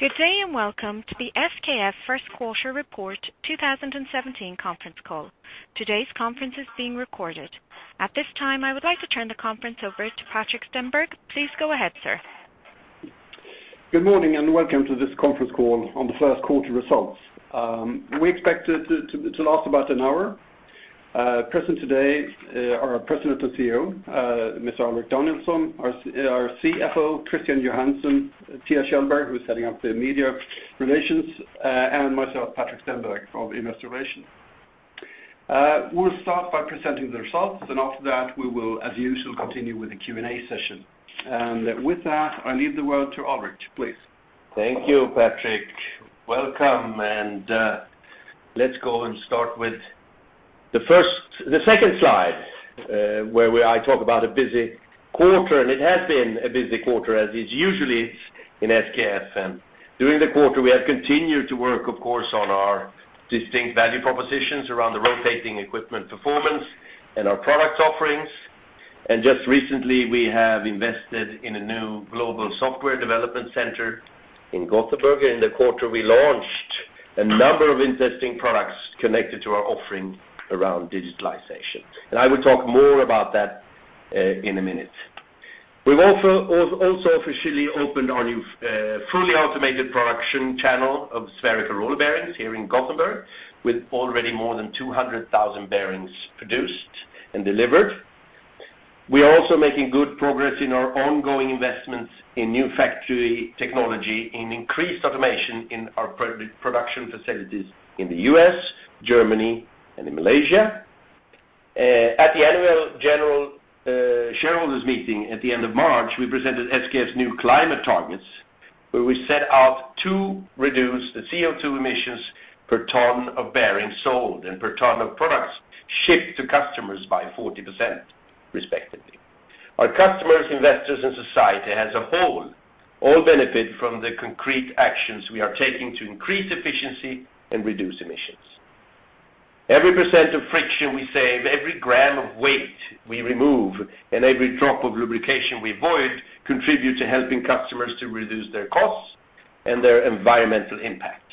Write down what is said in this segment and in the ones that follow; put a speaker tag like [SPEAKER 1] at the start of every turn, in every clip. [SPEAKER 1] Good day, and welcome to the SKF Q1 report 2017 conference call. Today's conference is being recorded. At this time, I would like to turn the conference over to Patrik Stenberg. Please go ahead, sir.
[SPEAKER 2] Good morning, and welcome to this conference call on the Q1 results. We expect it to, to last about an hour. Present today are our President and CEO, Mr. Alrik Danielson, our CFO, Christian Johansson, Theo Kjellberg, who's heading up the media relations, and myself, Patrik Stenberg, of Investor Relations. We'll start by presenting the results, and after that, we will, as usual, continue with the Q&A session. And with that, I leave the word to Alrik, please.
[SPEAKER 3] Thank you, Patrik. Welcome, and let's go and start with the second slide, where I talk about a busy quarter, and it has been a busy quarter, as is usually in SKF. And during the quarter, we have continued to work, of course, on our distinct value propositions around the Rotating Equipment Performance and our product offerings. And just recently, we have invested in a new global software development center in Gothenburg. In the quarter, we launched a number of interesting products connected to our offering around digitalization. And I will talk more about that, in a minute. We've also, also officially opened our new, fully automated production channel of spherical roller bearings here in Gothenburg, with already more than 200,000 bearings produced and delivered. We are also making good progress in our ongoing investments in new factory technology and increased automation in our production facilities in the US, Germany, and in Malaysia. At the annual general shareholders meeting at the end of March, we presented SKF's new climate targets, where we set out to reduce the CO2 emissions per ton of bearings sold and per ton of products shipped to customers by 40%, respectively. Our customers, investors, and society as a whole, all benefit from the concrete actions we are taking to increase efficiency and reduce emissions. Every percent of friction we save, every gram of weight we remove, and every drop of lubrication we avoid, contribute to helping customers to reduce their costs and their environmental impact.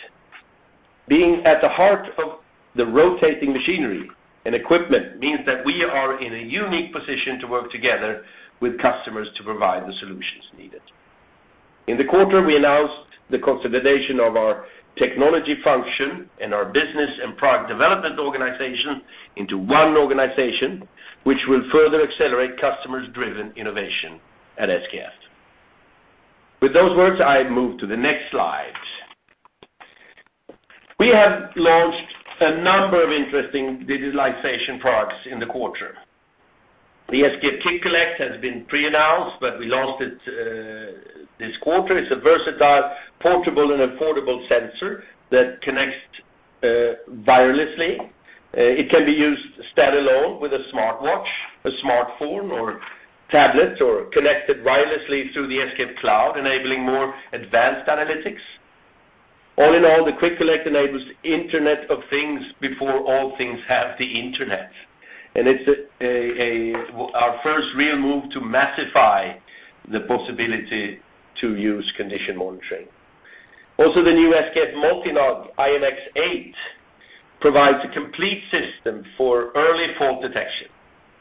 [SPEAKER 3] Being at the heart of the rotating machinery and equipment means that we are in a unique position to work together with customers to provide the solutions needed. In the quarter, we announced the consolidation of our technology function and our business and product development organization into one organization, which will further accelerate customer-driven innovation at SKF. With those words, I move to the next slide. We have launched a number of interesting digitalization products in the quarter. The SKF QuickCollect has been pre-announced, but we launched it this quarter. It's a versatile, portable, and affordable sensor that connects wirelessly. It can be used standalone with a smartwatch, a smartphone, or tablet, or connected wirelessly through the SKF Cloud, enabling more advanced analytics. All in all, the QuickCollect enables Internet of Things before all things have the internet, and it's our first real move to massify the possibility to use condition monitoring. Also, the new SKF Multilog IMx-1 or SKF Enlight Collect IMx-1 provides a complete system for early fault detection.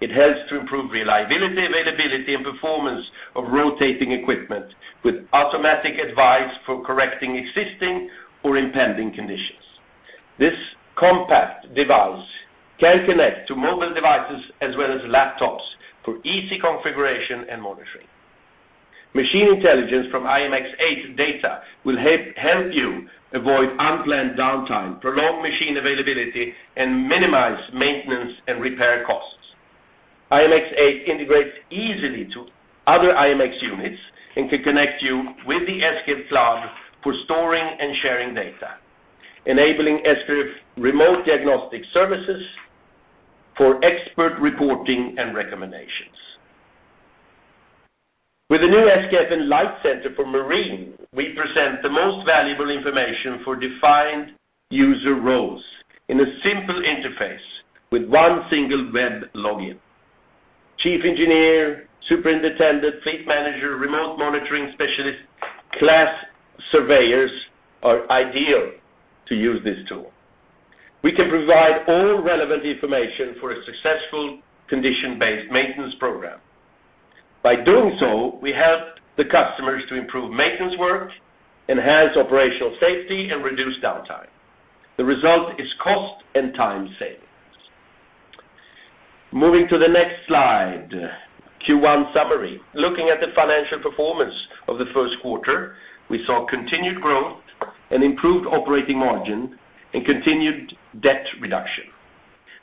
[SPEAKER 3] It helps to improve reliability, availability, and performance of rotating equipment, with automatic advice for correcting existing or impending conditions. This compact device can connect to mobile devices as well as laptops for easy configuration and monitoring. Machine intelligence from IMx-1 data will help you avoid unplanned downtime, prolong machine availability, and minimize maintenance and repair costs. IMx-1 integrates easily to other IMx units and can connect you with the SKF cloud for storing and sharing data, enabling SKF remote diagnostic services for expert reporting and recommendations. With the new SKF Enlight Centre for Marine, we present the most valuable information for defined user roles in a simple interface with one single web login. Chief engineer, superintendent, fleet manager, remote monitoring specialist, class surveyors are ideal to use this tool. We can provide all relevant information for a successful condition-based maintenance program. By doing so, we help the customers to improve maintenance work, enhance operational safety, and reduce downtime. The result is cost and time savings. Moving to the next slide, Q1 summary. Looking at the financial performance of the Q1, we saw continued growth and improved operating margin and continued debt reduction.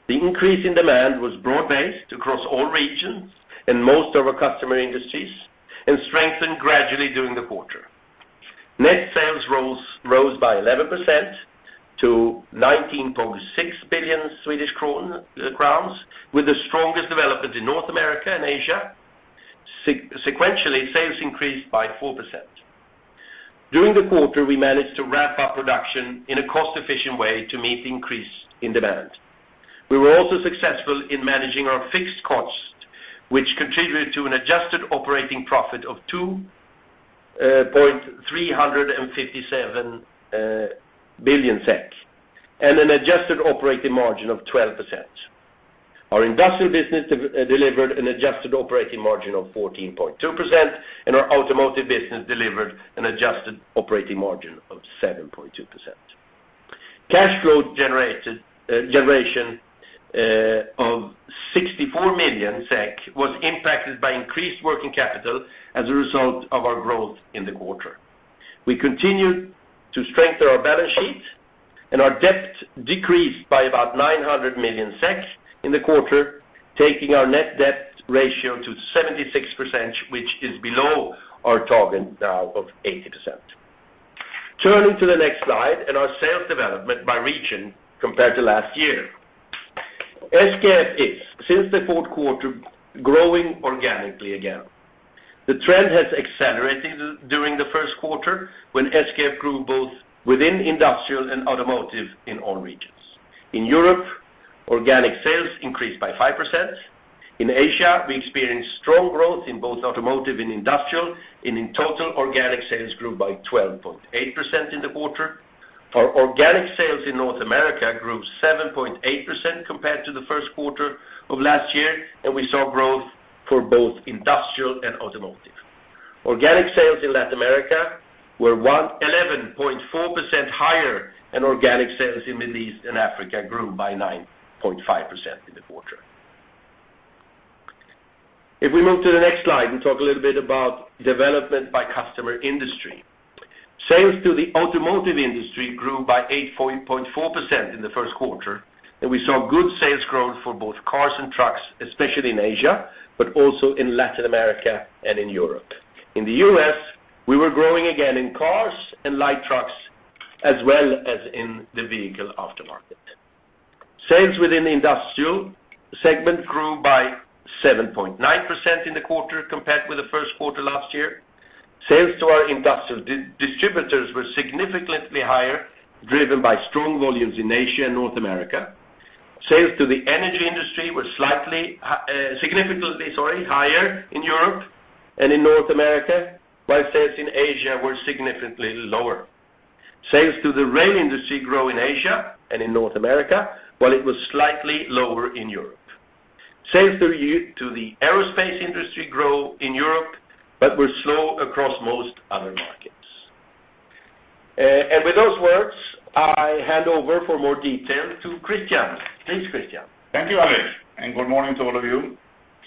[SPEAKER 3] The increase in demand was broad-based across all regions and most of our customer industries, and strengthened gradually during the quarter. Net sales rose by 11% to 19.6 billion Swedish crowns, with the strongest development in North America and Asia. Sequentially, sales increased by 4%. During the quarter, we managed to ramp up production in a cost-efficient way to meet the increase in demand. We were also successful in managing our fixed cost, which contributed to an adjusted operating profit of 2.357 billion SEK and an adjusted operating margin of 12%. Our industrial business delivered an adjusted operating margin of 14.2%, and our automotive business delivered an adjusted operating margin of 7.2%. Cash flow generation of 64 million SEK was impacted by increased working capital as a result of our growth in the quarter. We continued to strengthen our balance sheet, and our debt decreased by about 900 million in the quarter, taking our net debt ratio to 76%, which is below our target now of 80%. Turning to the next slide, and our sales development by region compared to last year. SKF is, since the Q4, growing organically again. The trend has accelerated during the Q1, when SKF grew both within industrial and automotive in all regions. In Europe, organic sales increased by 5%. In Asia, we experienced strong growth in both automotive and industrial, and in total, organic sales grew by 12.8% in the quarter. Our organic sales in North America grew 7.8% compared to the Q1 of last year, and we saw growth for both industrial and automotive. Organic sales in Latin America were 11.4% higher, and organic sales in Middle East and Africa grew by 9.5% in the quarter. If we move to the next slide and talk a little bit about development by customer industry. Sales to the automotive industry grew by 8.4% in the Q1, and we saw good sales growth for both cars and trucks, especially in Asia, but also in Latin America and in Europe. In the U.S., we were growing again in cars and light trucks, as well as in the vehicle aftermarket. Sales within the industrial segment grew by 7.9% in the quarter compared with the Q1 last year. Sales to our industrial distributors were significantly higher, driven by strong volumes in Asia and North America. Sales to the energy industry were significantly, sorry, higher in Europe and in North America, while sales in Asia were significantly lower. Sales to the rail industry grew in Asia and in North America, while it was slightly lower in Europe. Sales to the aerospace industry grew in Europe, but were slow across most other markets. And with those words, I hand over for more detail to Christian. Thanks, Christian.
[SPEAKER 4] Thank you, Alrik, and good morning to all of you.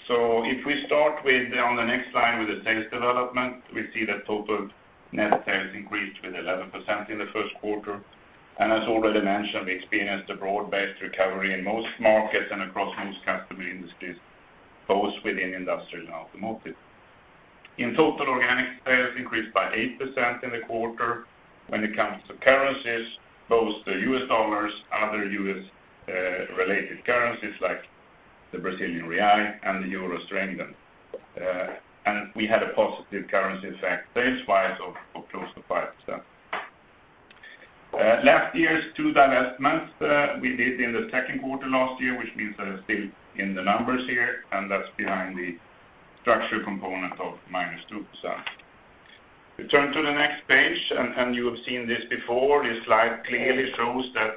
[SPEAKER 4] So if we start with, on the next slide, with the sales development, we see that total net sales increased with 11% in the Q1. As already mentioned, we experienced a broad-based recovery in most markets and across most customer industries, both within industrial and automotive. In total, organic sales increased by 8% in the quarter. When it comes to currencies, both the U.S. dollars, other U.S., related currencies like the Brazilian real, and the euro strengthened. And we had a positive currency effect, sales-wise, of close to 5%. Last year's two divestments we did in the Q2 last year, which means they are still in the numbers here, and that's behind the structural component of -2%. We turn to the next page, and, and you have seen this before. This slide clearly shows that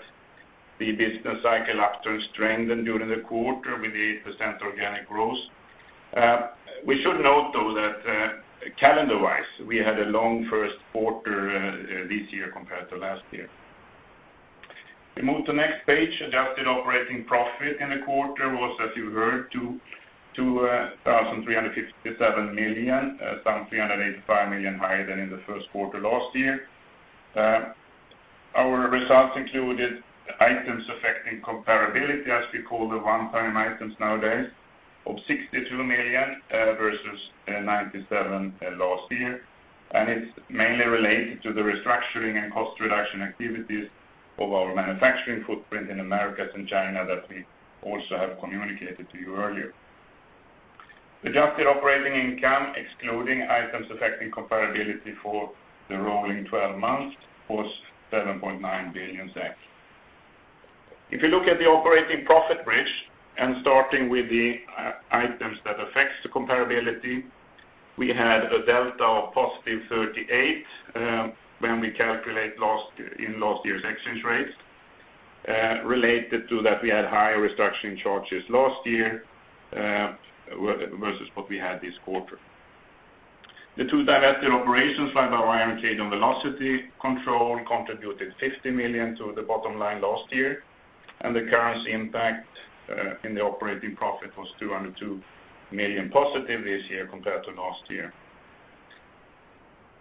[SPEAKER 4] the business cycle actually strengthened during the quarter with 8% organic growth. We should note, though, that, calendar-wise, we had a long Q1, this year compared to last year. We move to next page. Adjusted operating profit in the quarter was, as you heard, 2,357 million, some 385 million higher than in the Q1 last year. Our results included items affecting comparability, as we call the one-time items nowadays, of 62 million, versus, 97 last year. And it's mainly related to the restructuring and cost reduction activities of our manufacturing footprint in Americas and China, that we also have communicated to you earlier. Adjusted operating income, excluding items affecting comparability for the rolling twelve months, was 7.9 billion. If you look at the operating profit bridge, and starting with the i- items that affects the comparability, we had a delta of positive 38 million when we calculate in last year's exchange rates. Related to that, we had higher restructuring charges last year versus what we had this quarter. The two divested operations, like Orion and Velocity Control, contributed 50 million to the bottom line last year, and the currency impact in the operating profit was 202 million positive this year compared to last year.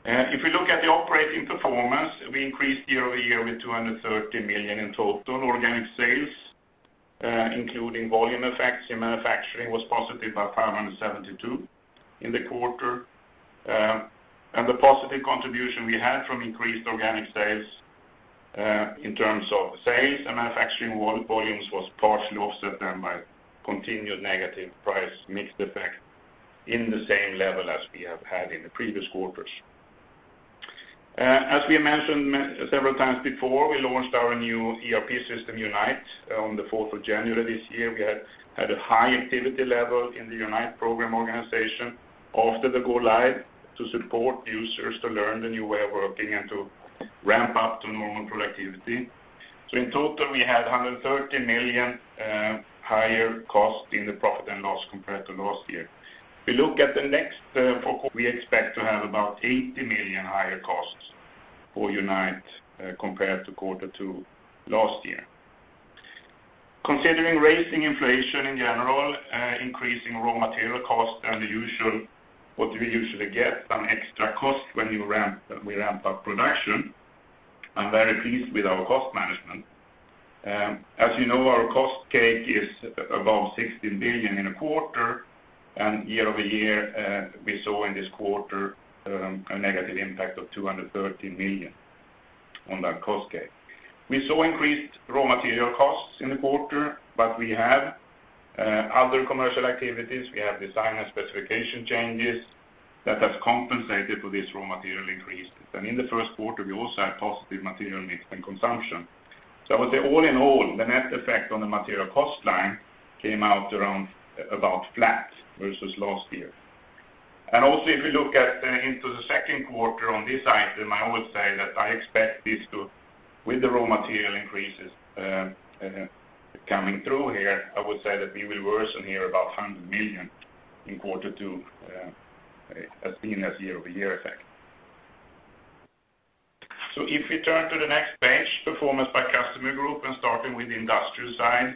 [SPEAKER 4] If we look at the operating performance, we increased year-over-year with 230 million in total. Organic sales, including volume effects in manufacturing, was positive by 572 in the quarter. The positive contribution we had from increased organic sales, in terms of sales and manufacturing volumes, was partially offset then by continued negative price mix effect in the same level as we have had in the previous quarters. As we mentioned several times before, we launched our new ERP system, Unite, on the fourth of January this year. We had a high activity level in the Unite program organization after the go live, to support users to learn the new way of working and to ramp up to normal productivity. So in total, we had 130 million higher cost in the profit and loss compared to last year. If you look at the next quarter, we expect to have about 80 million higher costs for Unite, compared to quarter two last year. Considering rising inflation in general, increasing raw material cost and the usual, what we usually get, some extra cost when you ramp, we ramp up production, I'm very pleased with our cost management. As you know, our cost base is about 16 billion in a quarter, and year over year, we saw in this quarter, a negative impact of 213 million on that cost base. We saw increased raw material costs in the quarter, but we have, other commercial activities. We have design specification changes that have compensated for this raw material increase. And in the Q1, we also had positive material mix and consumption. So I would say, all in all, the net effect on the material cost line came out around about flat versus last year. And also, if you look into the Q2 on this item, I would say that I expect this to, with the raw material increases, coming through here, I would say that we will worsen here about 100 million in quarter two, as a year-over-year effect. So if we turn to the next page, performance by customer group, and starting with the industrial side,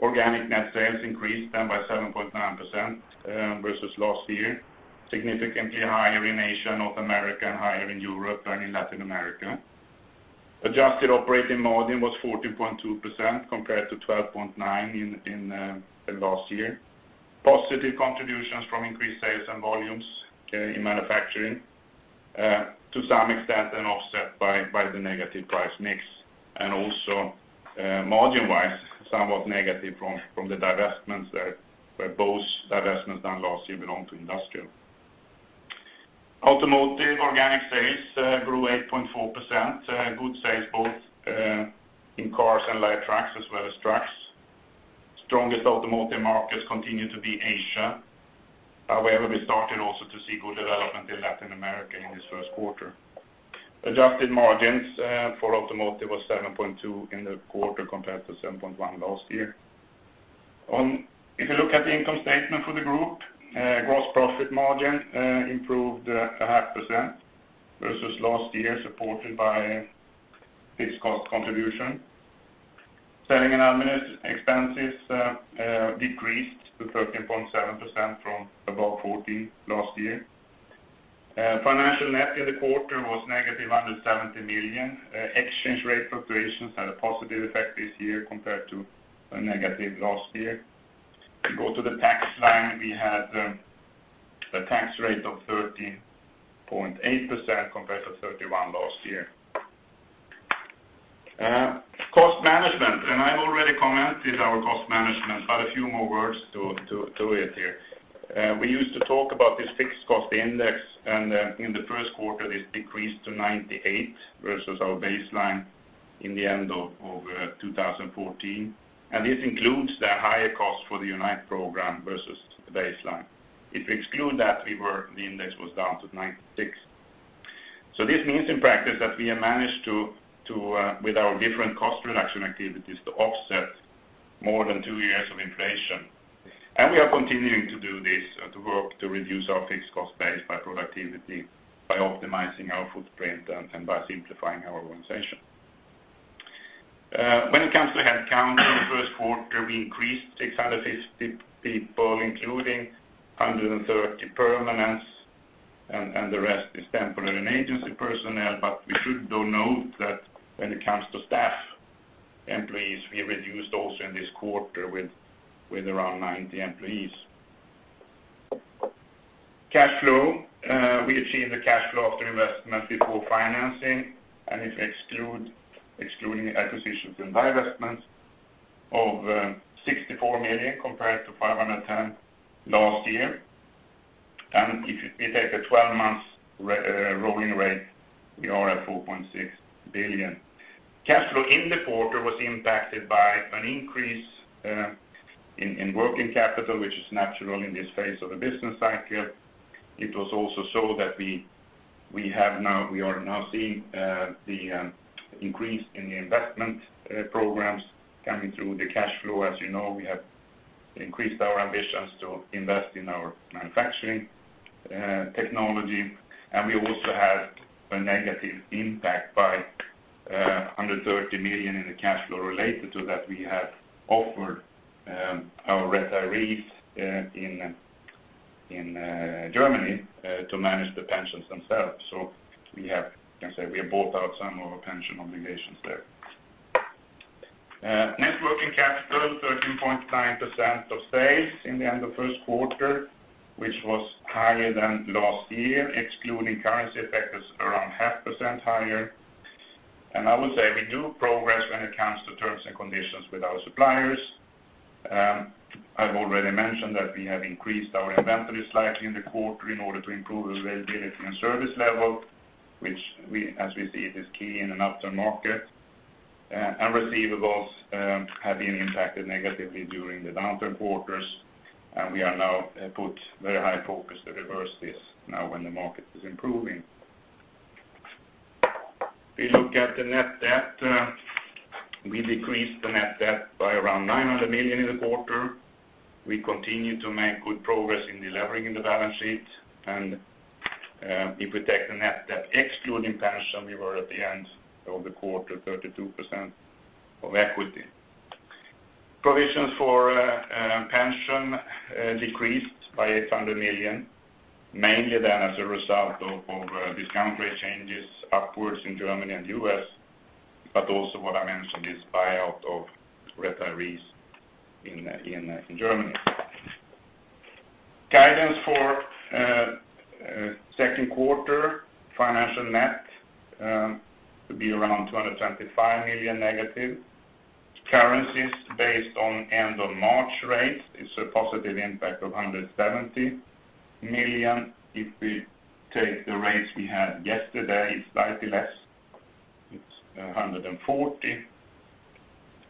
[SPEAKER 4] organic net sales increased by 7.9%, versus last year, significantly higher in Asia, North America, and higher in Europe and in Latin America. Adjusted operating margin was 14.2%, compared to 12.9% in last year. Positive contributions from increased sales and volumes in manufacturing, to some extent, and offset by the negative price mix, and also, margin-wise, somewhat negative from the divestments that, where both divestments done last year belong to industrial. Automotive organic sales grew 8.4%, good sales both in cars and light trucks, as well as trucks. Strongest automotive markets continue to be Asia. However, we started also to see good development in Latin America in this Q1. Adjusted margins for automotive was 7.2 in the quarter compared to 7.1 last year. If you look at the income statement for the group, gross profit margin improved 0.5% versus last year, supported by its cost contribution. Selling and admin expenses decreased to 13.7% from about 14% last year. Financial net in the quarter was negative under 70 million. Exchange rate fluctuations had a positive effect this year compared to a negative last year. If you go to the tax line, we had a tax rate of 13.8% compared to 31% last year. Cost management, and I've already commented on our cost management, but a few more words to it here. We used to talk about this fixed cost index, and in the Q1, this decreased to 98 versus our baseline in the end of 2014. And this includes the higher cost for the Unite program versus the baseline. If we exclude that, the index was down to 96. So this means in practice, that we have managed to with our different cost reduction activities, to offset more than two years of inflation. And we are continuing to do this, to work to reduce our fixed cost base by productivity, by optimizing our footprint, and by simplifying our organization. When it comes to headcount, in the Q1, we increased 660 people, including 130 permanents, and the rest is temporary and agency personnel. But we should though note that when it comes to staff employees, we reduced also in this quarter with around 90 employees. Cash flow, we achieved a cash flow after investment before financing, and excluding acquisitions and divestments of 64 million compared to 510 million last year. And if you, if you take a twelve-month rolling rate, we are at 4.6 billion. Cash flow in the quarter was impacted by an increase in working capital, which is natural in this phase of the business cycle. It was also so that we, we have now we are now seeing the increase in the investment programs coming through the cash flow. As you know, we have increased our ambitions to invest in our manufacturing technology, and we also had a negative impact by 130 million in the cash flow related to that. We have offered our retirees in Germany to manage the pensions themselves. So we have, you can say, we have bought out some of our pension obligations there. Net working capital, 13.9% of sales in the end of Q1, which was higher than last year, excluding currency effect, is around 0.5% higher. I would say we do progress when it comes to terms and conditions with our suppliers. I've already mentioned that we have increased our inventory slightly in the quarter in order to improve the availability and service level, which, as we see, it is key in an upturn market. Receivables have been impacted negatively during the downturn quarters, and we are now put very high focus to reverse this now when the market is improving. We look at the net debt. We decreased the net debt by around 900 million in the quarter. We continue to make good progress in delevering the balance sheet, and, if we take the net debt, excluding pension, we were at the end of the quarter, 32% of equity. Provisions for, pension, decreased by 800 million, mainly then as a result of, of, discount rate changes upwards in Germany and U.S., but also what I mentioned, this buyout of retirees in, in, in Germany. Guidance for, Q2, financial net, to be around 275 million negative. Currencies based on end of March rate is a positive impact of 170 million. If we take the rates we had yesterday, it's slightly less. It's, 140.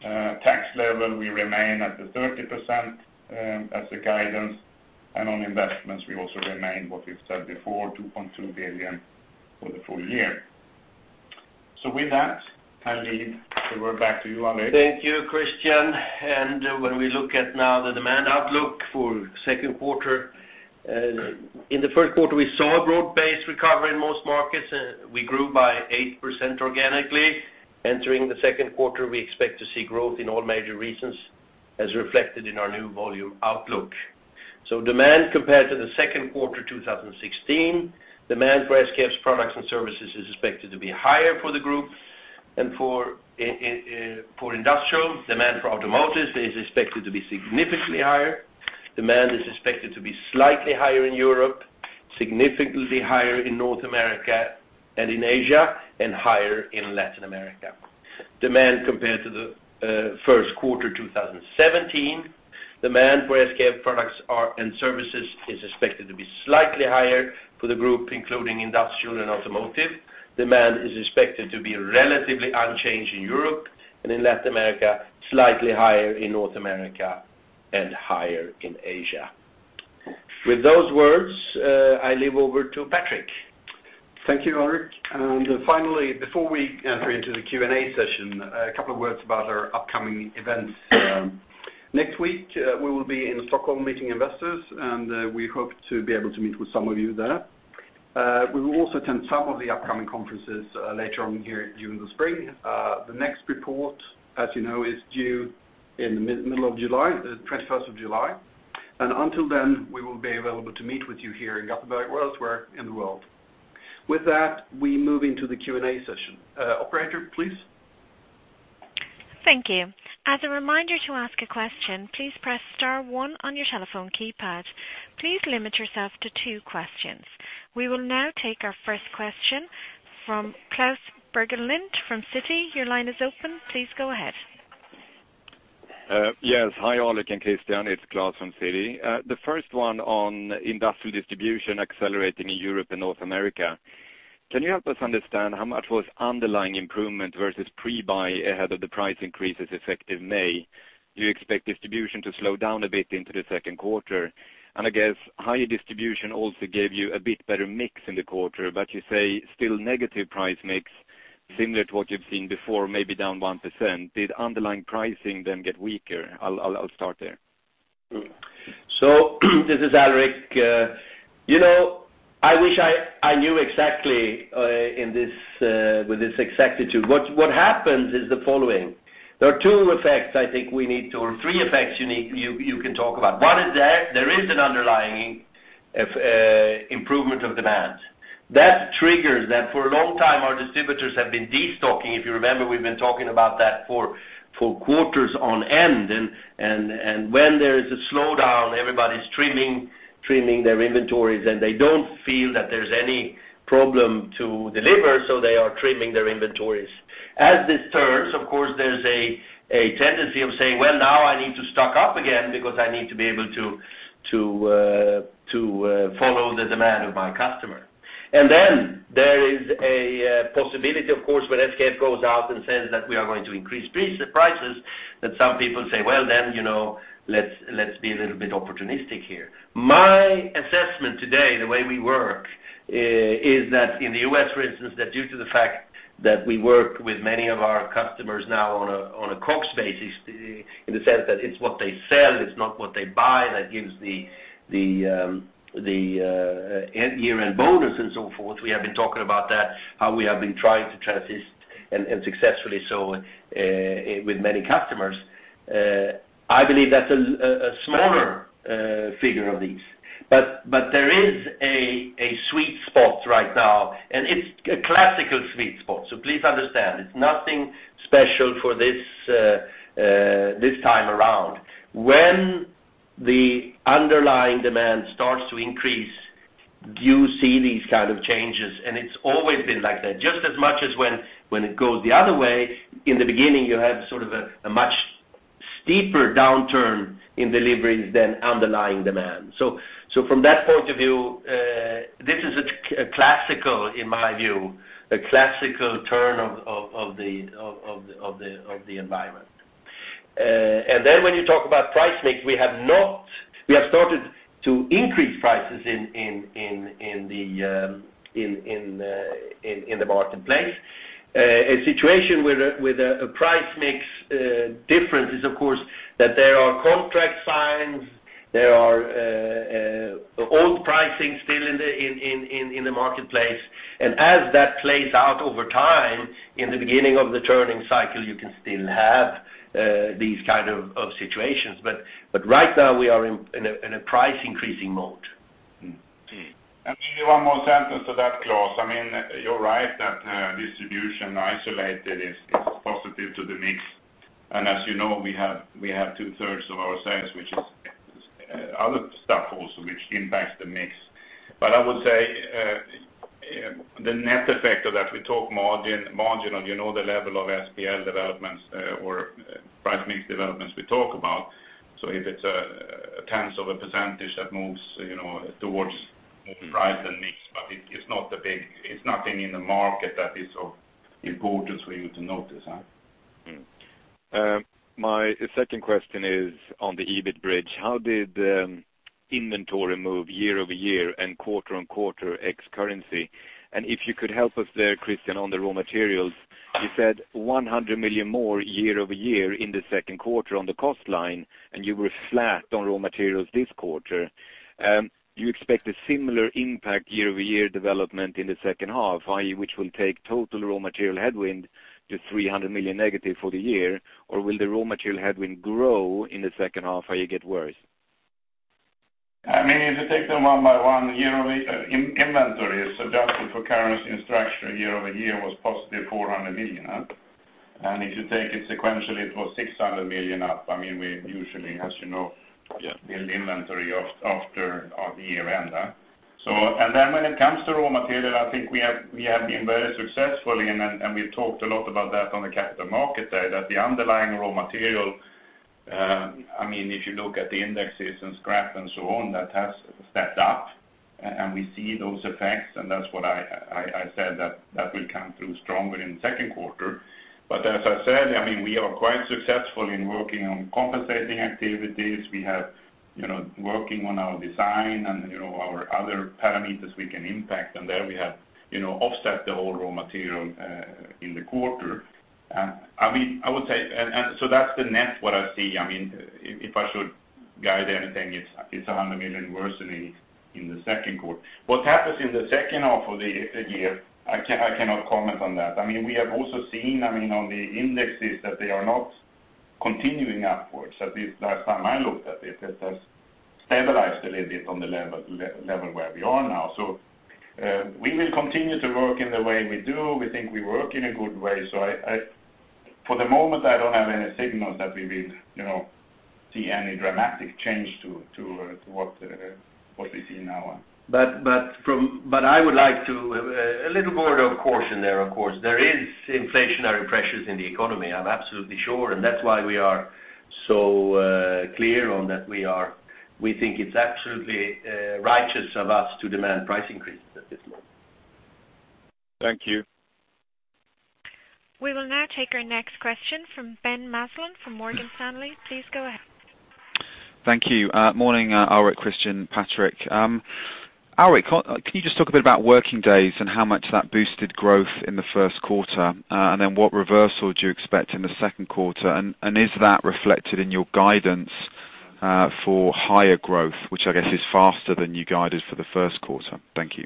[SPEAKER 4] Tax level, we remain at the 30%, as a guidance, and on investments, we also remain what we've said before, 2.2 billion for the full year. So with that, I leave the word back to you, Alrik.
[SPEAKER 3] Thank you, Christian. When we look at now the demand outlook for Q2, in the Q1, we saw a broad-based recovery in most markets, we grew by 8% organically. Entering the Q2, we expect to see growth in all major regions, as reflected in our new volume outlook. Demand compared to the Q2, 2016, demand for SKF's products and services is expected to be higher for the group and for industrial. Demand for automotive is expected to be significantly higher. Demand is expected to be slightly higher in Europe, significantly higher in North America and in Asia, and higher in Latin America. Demand compared to the Q1, 2017, demand for SKF products and services is expected to be slightly higher for the group, including industrial and automotive. Demand is expected to be relatively unchanged in Europe and in Latin America, slightly higher in North America, and higher in Asia. With those words, I leave over to Patrik.
[SPEAKER 4] Thank you, Alrik. And finally, before we enter into the Q&A session, a couple of words about our upcoming events. Next week, we will be in Stockholm, meeting investors, and we hope to be able to meet with some of you there. We will also attend some of the upcoming conferences later on here during the spring. The next report, as you know, is due in the middle of July, the twenty-first of July. Until then, we will be available to meet with you here in Gothenburg or elsewhere in the world. With that, we move into the Q&A session. Operator, please?
[SPEAKER 1] Thank you. As a reminder to ask a question, please press star one on your telephone keypad. Please limit yourself to two questions. We will now take our first question from Klas Bergelind from Citi. Your line is open, please go ahead.
[SPEAKER 5] Yes. Hi, Alrik and Christian, it's Klas from Citi. The first one on industrial distribution accelerating in Europe and North America, can you help us understand how much was underlying improvement versus pre-buy ahead of the price increases effective May? Do you expect distribution to slow down a bit into the Q2? And I guess higher distribution also gave you a bit better mix in the quarter, but you say still negative price mix, similar to what you've seen before, maybe down 1%. Did underlying pricing then get weaker? I'll, I'll, I'll start there.
[SPEAKER 3] So this is Alrik. You know, I wish I knew exactly in this with this exactitude. What happens is the following: There are two effects I think we need to... Or three effects you can talk about. One is that there is an underlying improvement of demand. That triggers that for a long time, our distributors have been destocking. If you remember, we've been talking about that for quarters on end, and, and, and when there is a slowdown, everybody's trimming, trimming their inventories, and they don't feel that there's any problem to deliver, so they are trimming their inventories. As this turns, of course, there's a tendency of saying, "Well, now I need to stock up again because I need to be able to follow the demand of my customer." And then there is a possibility, of course, when SKF goes out and says that we are going to increase the prices, that some people say, "Well, then, you know, let's be a little bit opportunistic here." My assessment today, the way we work, is that in the U.S., for instance, that due to the fact that we work with many of our customers now on a COGS basis, in the sense that it's what they sell, it's not what they buy, that gives the year-end bonus and so forth. We have been talking about that, how we have been trying to transition, and successfully so, with many customers. I believe that's a smaller figure of these. But there is a sweet spot right now, and it's a classical sweet spot. So please understand, it's nothing special for this time around. When the underlying demand starts to increase—do you see these kind of changes? And it's always been like that. Just as much as when it goes the other way, in the beginning, you have sort of a much steeper downturn in deliveries than underlying demand. So from that point of view, this is a classical, in my view, a classical turn of the environment. And then when you talk about price mix, we have started to increase prices in the marketplace. A situation with a price mix difference is, of course, that there are contracts, there are old pricing still in the marketplace. And as that plays out over time, in the beginning of the turning cycle, you can still have these kind of situations. But right now we are in a price increasing mode.
[SPEAKER 4] Mm-hmm. And maybe one more sentence to that, Klas. I mean, you're right, that distribution isolated is positive to the mix. And as you know, we have two-thirds of our sales, which is other stuff also, which impacts the mix. But I would say the net effect of that, we talk margin, marginal, you know, the level of P&L developments or price mix developments we talk about. So if it's a tenth of a percentage that moves, you know, towards more price than mix, but it's not a big... It's nothing in the market that is of importance for you to notice, huh?
[SPEAKER 5] My second question is on the EBIT bridge. How did inventory move year-over-year and quarter-on-quarter ex-currency? If you could help us there, Christian, on the raw materials. You said 100 million more year-over-year in the Q2 on the cost line, and you were flat on raw materials this quarter. Do you expect a similar impact year-over-year development in the second half, i.e., which will take total raw material headwind to 300 million negative for the year? Or will the raw material headwind grow in the second half, or you get worse?
[SPEAKER 4] I mean, if you take them one by one, year-over-year, inventory is adjusted for currency and structure, year-over-year was positive 400 million. And if you take it sequentially, it was 600 million up. I mean, we usually, as you know, build inventory after the year end. So, and then when it comes to raw material, I think we have, we have been very successful, and then, and we've talked a lot about that on the Capital Markets Day, that the underlying raw material, I mean, if you look at the indexes and scrap and so on, that has stepped up, and we see those effects, and that's what I said that will come through stronger in the Q2. But as I said, I mean, we are quite successful in working on compensating activities. We have, you know, working on our design and, you know, our other parameters we can impact. And there, we have, you know, offset the whole raw material in the quarter. I mean, I would say, and so that's the net, what I see. I mean, if I should guide anything, it's 100 million worse than in the Q2. What happens in the second half of the year, I cannot comment on that. I mean, we have also seen, I mean, on the indexes, that they are not continuing upwards. At least the last time I looked at it, it has stabilized a little bit on the level where we are now. So, we will continue to work in the way we do. We think we work in a good way. So, for the moment, I don't have any signals that we will, you know, see any dramatic change to what we see now on.
[SPEAKER 3] I would like to a little word of caution there, of course. There is inflationary pressures in the economy, I'm absolutely sure, and that's why we are so clear on that we think it's absolutely righteous of us to demand price increases at this moment.
[SPEAKER 5] Thank you.
[SPEAKER 1] We will now take our next question from Ben Uglow from Morgan Stanley. Please go ahead.
[SPEAKER 6] Thank you. Morning, Alrik, Christian, Patrik. Alrik, can you just talk a bit about working days and how much that boosted growth in the Q1? And then what reversal do you expect in the Q2? And is that reflected in your guidance for higher growth, which I guess is faster than you guided for the Q1? Thank you.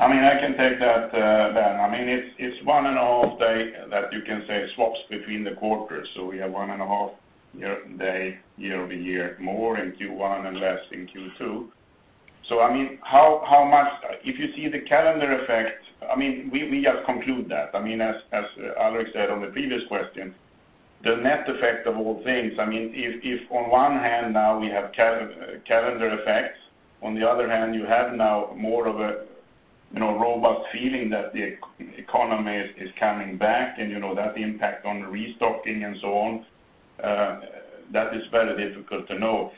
[SPEAKER 4] I mean, I can take that, Ben. I mean, it's 1.5 days that you can say swaps between the quarters, so we have 1.5 working days, year-over-year, more in Q1 and less in Q2. So I mean, how much-- If you see the calendar effect, I mean, we just conclude that. I mean, as Alrik said on the previous question, the net effect of all things, I mean, if on one hand, now we have calendar effects, on the other hand, you have now more of a, you know, robust feeling that the economy is coming back, and, you know, that impact on the restocking and so on, that is very difficult to know.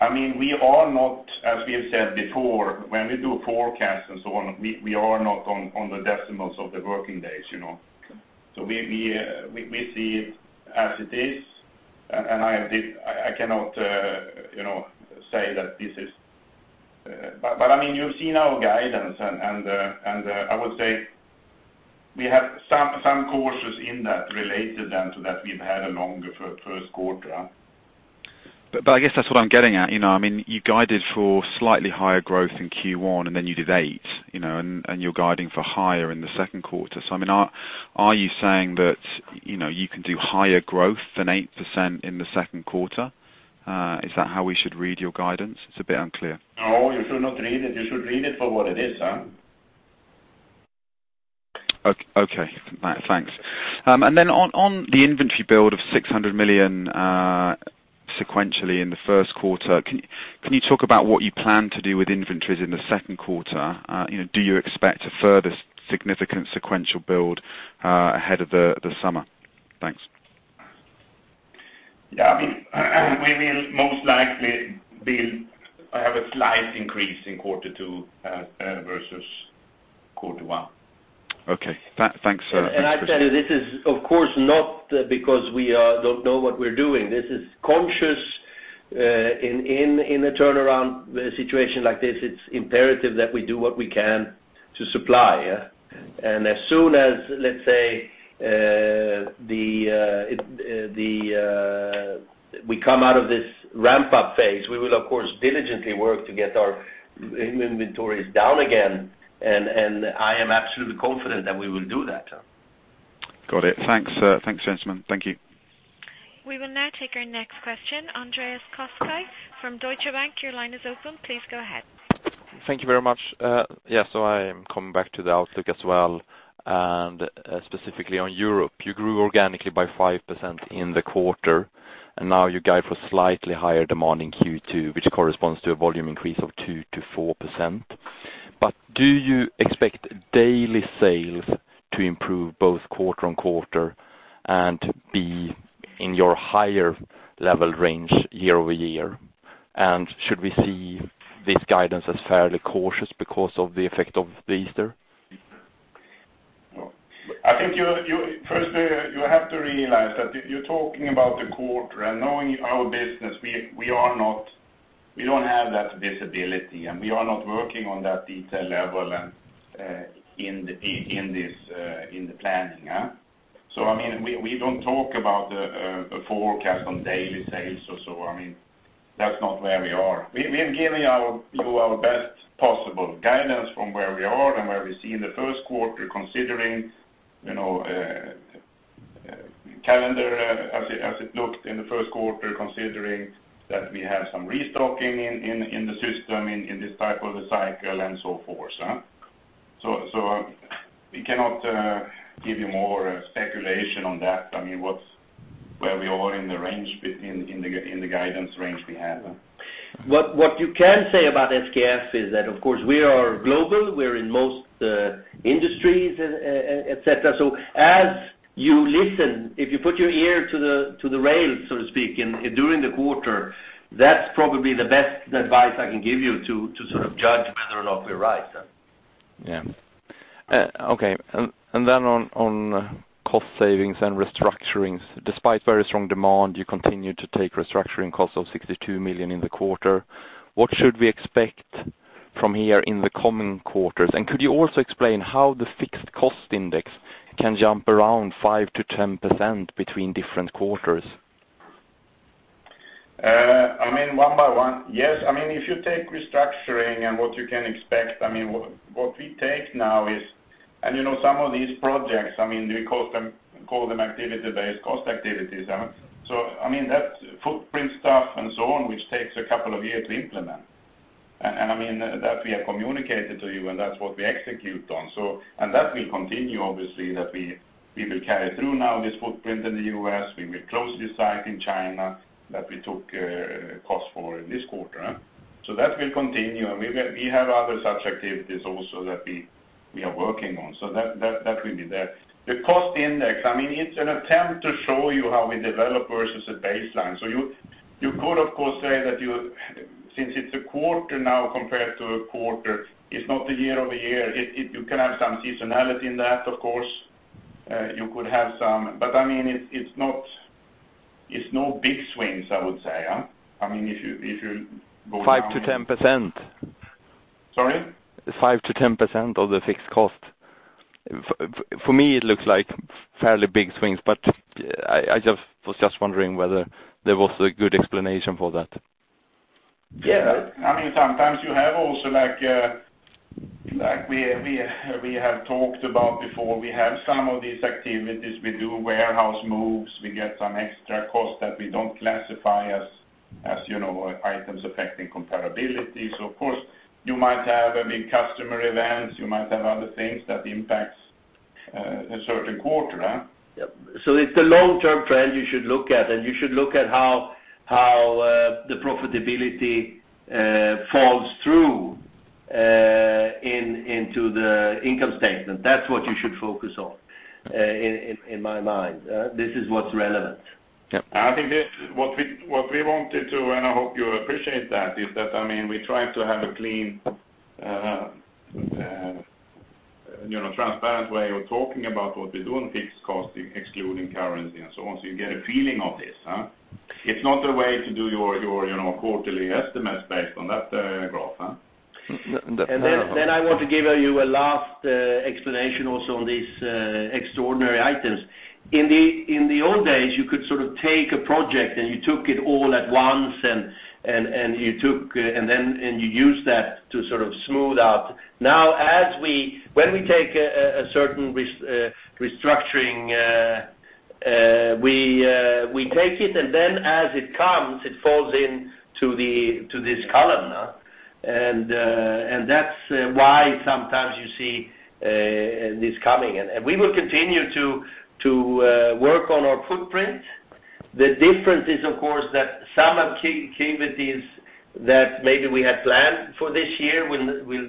[SPEAKER 4] I mean, we are not, as we have said before, when we do forecasts and so on, we are not on the decimals of the working days, you know? So we see it as it is, and I cannot, you know, say that this is... But I mean, you've seen our guidance, and I would say we have some cautious in that related then to that we've had a longer Q1.
[SPEAKER 6] But I guess that's what I'm getting at, you know. I mean, you guided for slightly higher growth in Q1, and then you did 8, you know, and you're guiding for higher in the Q2. So, I mean, are you saying that, you know, you can do higher growth than 8% in the Q2? Is that how we should read your guidance? It's a bit unclear.
[SPEAKER 4] No, you should not read it. You should read it for what it is, huh?...
[SPEAKER 6] Okay, thanks. And then on the inventory build of 600 million sequentially in the Q1, can you talk about what you plan to do with inventories in the Q2? You know, do you expect a further significant sequential build ahead of the summer? Thanks.
[SPEAKER 4] Yeah, I mean, we will most likely have a slight increase in quarter two versus quarter one.
[SPEAKER 6] Okay. Thanks,
[SPEAKER 3] And I said, this is, of course, not because we don't know what we're doing. This is conscious, in a turnaround situation like this, it's imperative that we do what we can to supply, yeah. And as soon as, let's say, we come out of this ramp-up phase, we will, of course, diligently work to get our inventories down again, and I am absolutely confident that we will do that.
[SPEAKER 6] Got it. Thanks, thanks, gentlemen. Thank you.
[SPEAKER 1] We will now take our next question. Andreas Koski from Deutsche Bank, your line is open. Please go ahead.
[SPEAKER 7] Thank you very much. Yes, so I am coming back to the outlook as well, and specifically on Europe. You grew organically by 5% in the quarter, and now you guide for slightly higher demand in Q2, which corresponds to a volume increase of 2%-4%. But do you expect daily sales to improve both quarter-on-quarter and be in your higher level range year-over-year? And should we see this guidance as fairly cautious because of the effect of Easter?
[SPEAKER 4] Well, I think firstly, you have to realize that you're talking about the quarter, and knowing our business, we are not—we don't have that visibility, and we are not working on that detail level and in the in this in the planning, yeah. So, I mean, we don't talk about the forecast on daily sales or so. I mean, that's not where we are. We are giving you our best possible guidance from where we are and where we see in the Q1, considering, you know, calendar as it looked in the Q1, considering that we have some restocking in the system, in this type of the cycle and so forth. So, we cannot give you more speculation on that. I mean, what's where we are in the range between in the guidance range we have.
[SPEAKER 3] What you can say about SKF is that, of course, we are global, we're in most industries, et cetera. So as you listen, if you put your ear to the rail, so to speak, during the quarter, that's probably the best advice I can give you to sort of judge whether or not we're right.
[SPEAKER 7] Yeah. Okay. And then on cost savings and restructurings, despite very strong demand, you continue to take restructuring costs of 62 million in the quarter. What should we expect from here in the coming quarters? And could you also explain how the fixed cost index can jump around 5%-10% between different quarters?
[SPEAKER 4] I mean, one by one. Yes, I mean, if you take restructuring and what you can expect, I mean, what we take now is... And, you know, some of these projects, I mean, we call them activity-based cost activities. So, I mean, that's footprint stuff and so on, which takes a couple of years to implement. And I mean, that we have communicated to you, and that's what we execute on. So, and that will continue, obviously, that we will carry through now this footprint in the U.S., we will close the site in China, that we took cost for this quarter. So that will continue, and we have other such activities also that we are working on. So that will be there. The cost index, I mean, it's an attempt to show you how we develop versus a baseline. So you could, of course, say that you—since it's a quarter now compared to a quarter, it's not the year-over-year, it you can have some seasonality in that, of course. You could have some, but I mean, it, it's not, it's no big swings, I would say. I mean, if you, if you go-
[SPEAKER 7] 5%-10%.
[SPEAKER 4] Sorry?
[SPEAKER 7] 5%-10% of the fixed cost. For me, it looks like fairly big swings, but I was just wondering whether there was a good explanation for that.
[SPEAKER 3] Yeah.
[SPEAKER 4] I mean, sometimes you have also, like, like we have talked about before, we have some of these activities, we do warehouse moves, we get some extra costs that we don't classify as, you know, items affecting comparability. So of course, you might have, I mean, customer events, you might have other things that impacts a certain quarter.
[SPEAKER 3] Yeah. It's a long-term trend you should look at, and you should look at how the profitability falls through into the income statement. That's what you should focus on, in my mind. This is what's relevant.
[SPEAKER 7] Yeah.
[SPEAKER 4] I think this, what we wanted to, and I hope you appreciate that, is that, I mean, we try to have a clean, you know, transparent way of talking about what we do on fixed costing, excluding currency, and so on. So you get a feeling of this? It's not a way to do your, you know, quarterly estimates based on that graph.
[SPEAKER 7] The-
[SPEAKER 3] And then I want to give you a last explanation also on these extraordinary items. In the old days, you could sort of take a project, and you took it all at once, and you used that to sort of smooth out. Now, when we take a certain restructuring, we take it, and then as it comes, it falls into this column, huh? And that's why sometimes you see this coming. And we will continue to work on our footprint. The difference is, of course, that some of capabilities that maybe we had planned for this year will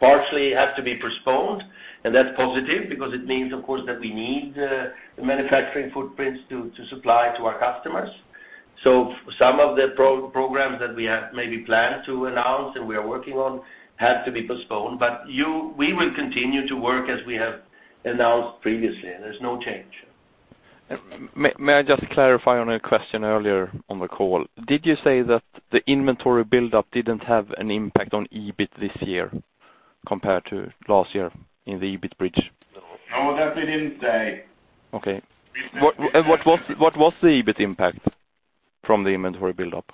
[SPEAKER 3] partially have to be postponed, and that's positive because it means, of course, that we need the manufacturing footprints to supply to our customers. So some of the programs that we have maybe planned to announce and we are working on had to be postponed, but we will continue to work as we have announced previously, and there's no change.
[SPEAKER 7] May I just clarify on a question earlier on the call? Did you say that the inventory buildup didn't have an impact on EBIT this year compared to last year in the EBIT bridge?
[SPEAKER 4] No, that we didn't say.
[SPEAKER 7] Okay.
[SPEAKER 4] We said-
[SPEAKER 7] What was the EBIT impact from the inventory buildup?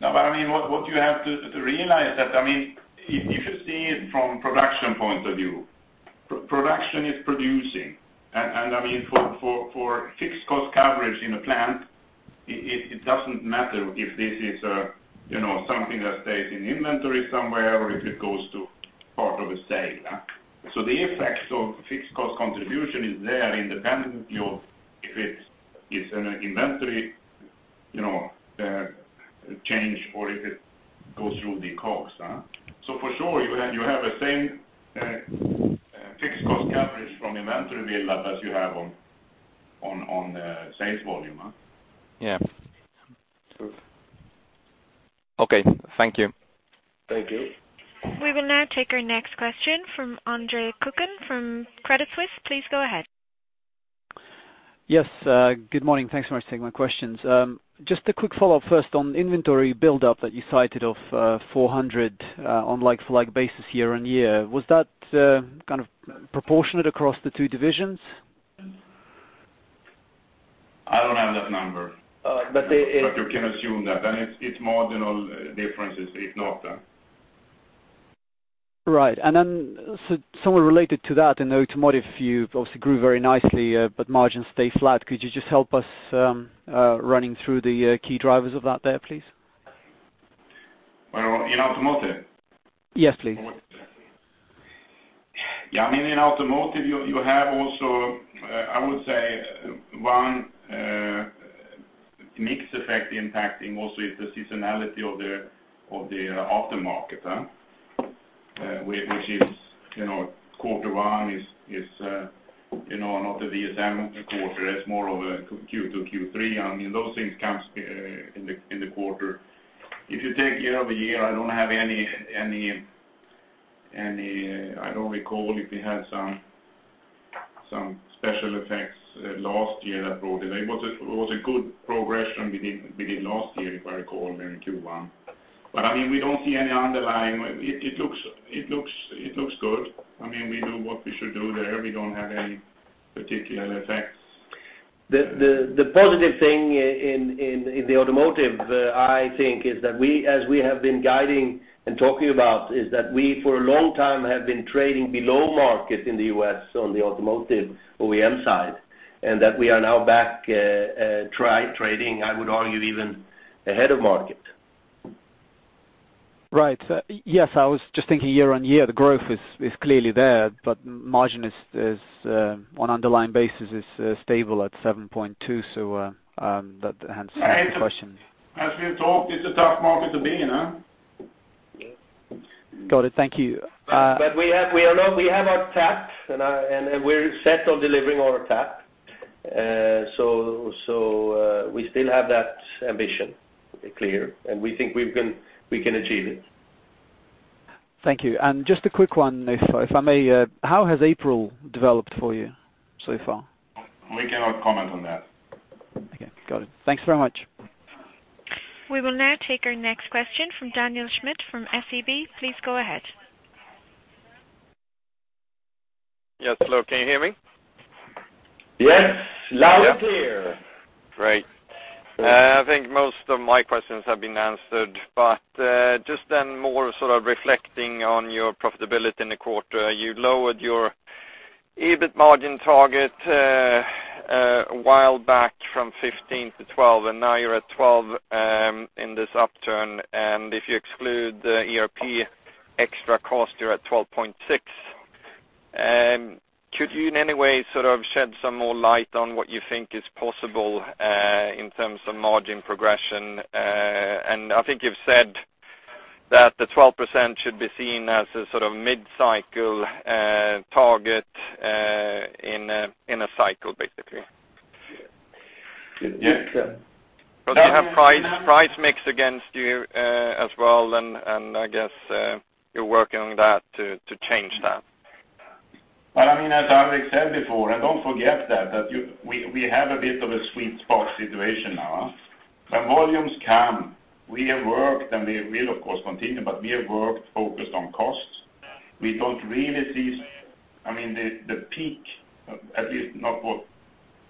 [SPEAKER 4] No, but I mean, what you have to realize that, I mean, if you see it from production point of view, production is producing. And I mean, for fixed cost coverage in a plant, it doesn't matter if this is you know, something that stays in inventory somewhere or if it goes to part of a sale. So the effect of fixed cost contribution is there independently of if it's an inventory, you know, change or if it goes through the costs. So for sure, you have the same fixed cost coverage from inventory buildup as you have on sales volume.
[SPEAKER 7] Yeah. True. Okay, thank you.
[SPEAKER 4] Thank you.
[SPEAKER 1] We will now take our next question from Andre Kukhnin from Credit Suisse. Please go ahead.
[SPEAKER 8] Yes, good morning. Thanks very much for taking my questions. Just a quick follow-up first on inventory buildup that you cited of 400 on like-for-like basis year-on-year. Was that kind of proportionate across the two divisions?
[SPEAKER 4] I don't have that number.
[SPEAKER 8] All right, but it
[SPEAKER 4] But you can assume that. And it's marginal differences, if not.
[SPEAKER 8] Right. Somewhat related to that, in the automotive view, obviously grew very nicely, but margins stay flat. Could you just help us running through the key drivers of that there, please?
[SPEAKER 4] Well, in automotive?
[SPEAKER 8] Yes, please.
[SPEAKER 4] Yeah, I mean, in automotive, you have also, I would say, one mix effect impacting also is the seasonality of the aftermarket, huh? Which is, you know, quarter one is, you know, not the VSM quarter. It's more of a Q2, Q3. I mean, those things comes in the quarter. If you take year-over-year, I don't have any... I don't recall if we had some special effects last year that brought it. It was a good progression we did last year, if I recall, during Q1. But, I mean, we don't see any underlying... It looks good. I mean, we do what we should do there. We don't have any particular effects.
[SPEAKER 3] The positive thing in the automotive, I think, is that we, as we have been guiding and talking about, is that we, for a long time, have been trading below market in the U.S. on the automotive OEM side, and that we are now back, trading, I would argue even ahead of market.
[SPEAKER 8] Right. Yes, I was just thinking year-over-year, the growth is clearly there, but margin is on underlying basis, is stable at 7.2. So, that answers the question.
[SPEAKER 4] As we've talked, it's a tough market to be in, huh?
[SPEAKER 8] Got it. Thank you.
[SPEAKER 3] But we have, we are not. We have our target, and we're set on delivering our target. So, we still have that ambition clear, and we think we can achieve it.
[SPEAKER 8] Thank you. And just a quick one, if I may: How has April developed for you so far?
[SPEAKER 4] We cannot comment on that.
[SPEAKER 8] Okay, got it. Thanks very much.
[SPEAKER 1] We will now take our next question from Daniel Schmidt, from SEB. Please go ahead.
[SPEAKER 9] Yes, hello, can you hear me?
[SPEAKER 3] Yes, loud and clear.
[SPEAKER 9] Great. I think most of my questions have been answered, but just then more sort of reflecting on your profitability in the quarter, you lowered your EBIT margin target a while back from 15 to 12, and now you're at 12 in this upturn. And if you exclude the ERP extra cost, you're at 12.6. Could you in any way sort of shed some more light on what you think is possible in terms of margin progression? And I think you've said that the 12% should be seen as a sort of mid-cycle target in a, in a cycle, basically.
[SPEAKER 4] Yes, uh-
[SPEAKER 9] So you have price, price mix against you, as well, and I guess you're working on that to change that.
[SPEAKER 4] But I mean, as Alrik said before, and don't forget that we have a bit of a sweet spot situation now, huh? When volumes come, we have worked, and we will of course continue, but we have worked focused on costs. We don't really see... I mean, the peak, at least not what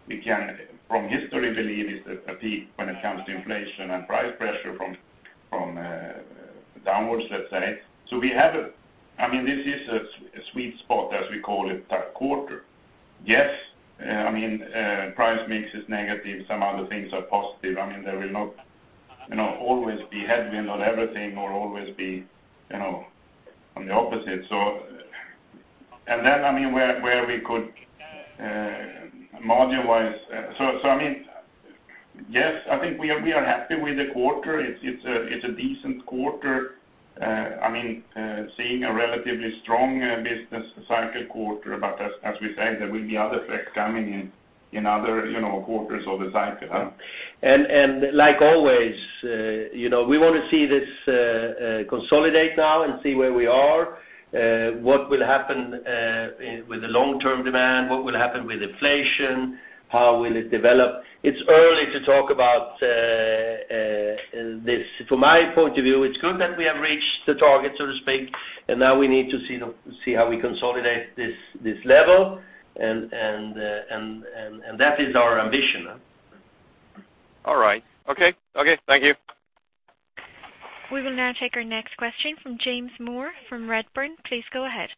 [SPEAKER 4] we can, from history, believe is a peak when it comes to inflation and price pressure from downwards, let's say. So we have a—I mean, this is a sweet spot, as we call it, that quarter. Yes, I mean, price mix is negative, some other things are positive. I mean, there will not, you know, always be headwind on everything or always be, you know, on the opposite. So, and then, I mean, where we could margin-wise... So, I mean, yes, I think we are happy with the quarter. It's a decent quarter. I mean, seeing a relatively strong business cycle quarter, but as we say, there will be other effects coming in other, you know, quarters of the cycle, huh?
[SPEAKER 3] Like always, you know, we want to see this consolidate now and see where we are. What will happen with the long-term demand? What will happen with inflation? How will it develop? It's early to talk about this. From my point of view, it's good that we have reached the target, so to speak, and now we need to see how we consolidate this level, and that is our ambition.
[SPEAKER 9] All right. Okay. Okay, thank you.
[SPEAKER 1] We will now take our next question from James Moore from Redburn. Please go ahead.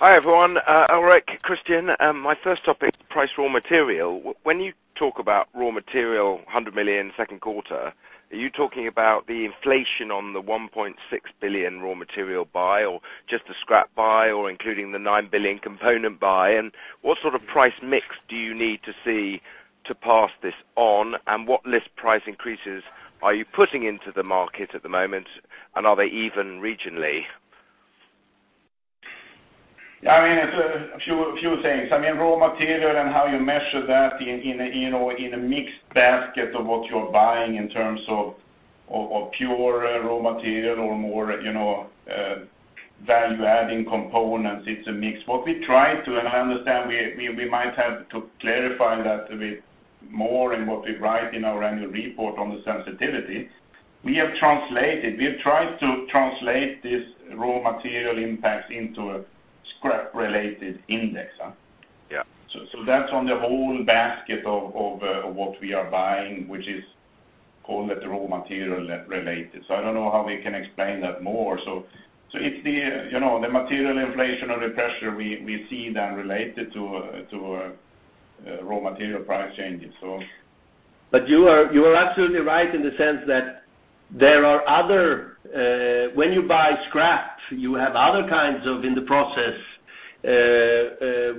[SPEAKER 10] Hi, everyone. All right, Christian, my first topic, price raw material. When you talk about raw material, 100 million, Q2, are you talking about the inflation on the 1.6 billion raw material buy, or just the scrap buy, or including the 9 billion component buy? And what sort of price mix do you need to see to pass this on? And what list price increases are you putting into the market at the moment, and are they even regionally?
[SPEAKER 4] Yeah, I mean, it's a few, few things. I mean, raw material and how you measure that in, in a, you know, in a mixed basket of what you're buying in terms of, of, of pure raw material or more, you know, value-adding components, it's a mix. What we try to, and I understand we, we, we might have to clarify that a bit more in what we write in our annual report on the sensitivity, we have translated—we have tried to translate this raw material impacts into a scrap-related index, huh?
[SPEAKER 10] Yeah.
[SPEAKER 4] So that's on the whole basket of what we are buying, which is call it raw material related. So I don't know how we can explain that more. So it's the, you know, the material inflation or the pressure we see then related to raw material price changes so-
[SPEAKER 3] But you are, you are absolutely right in the sense that there are other. When you buy scrap, you have other kinds of in the process,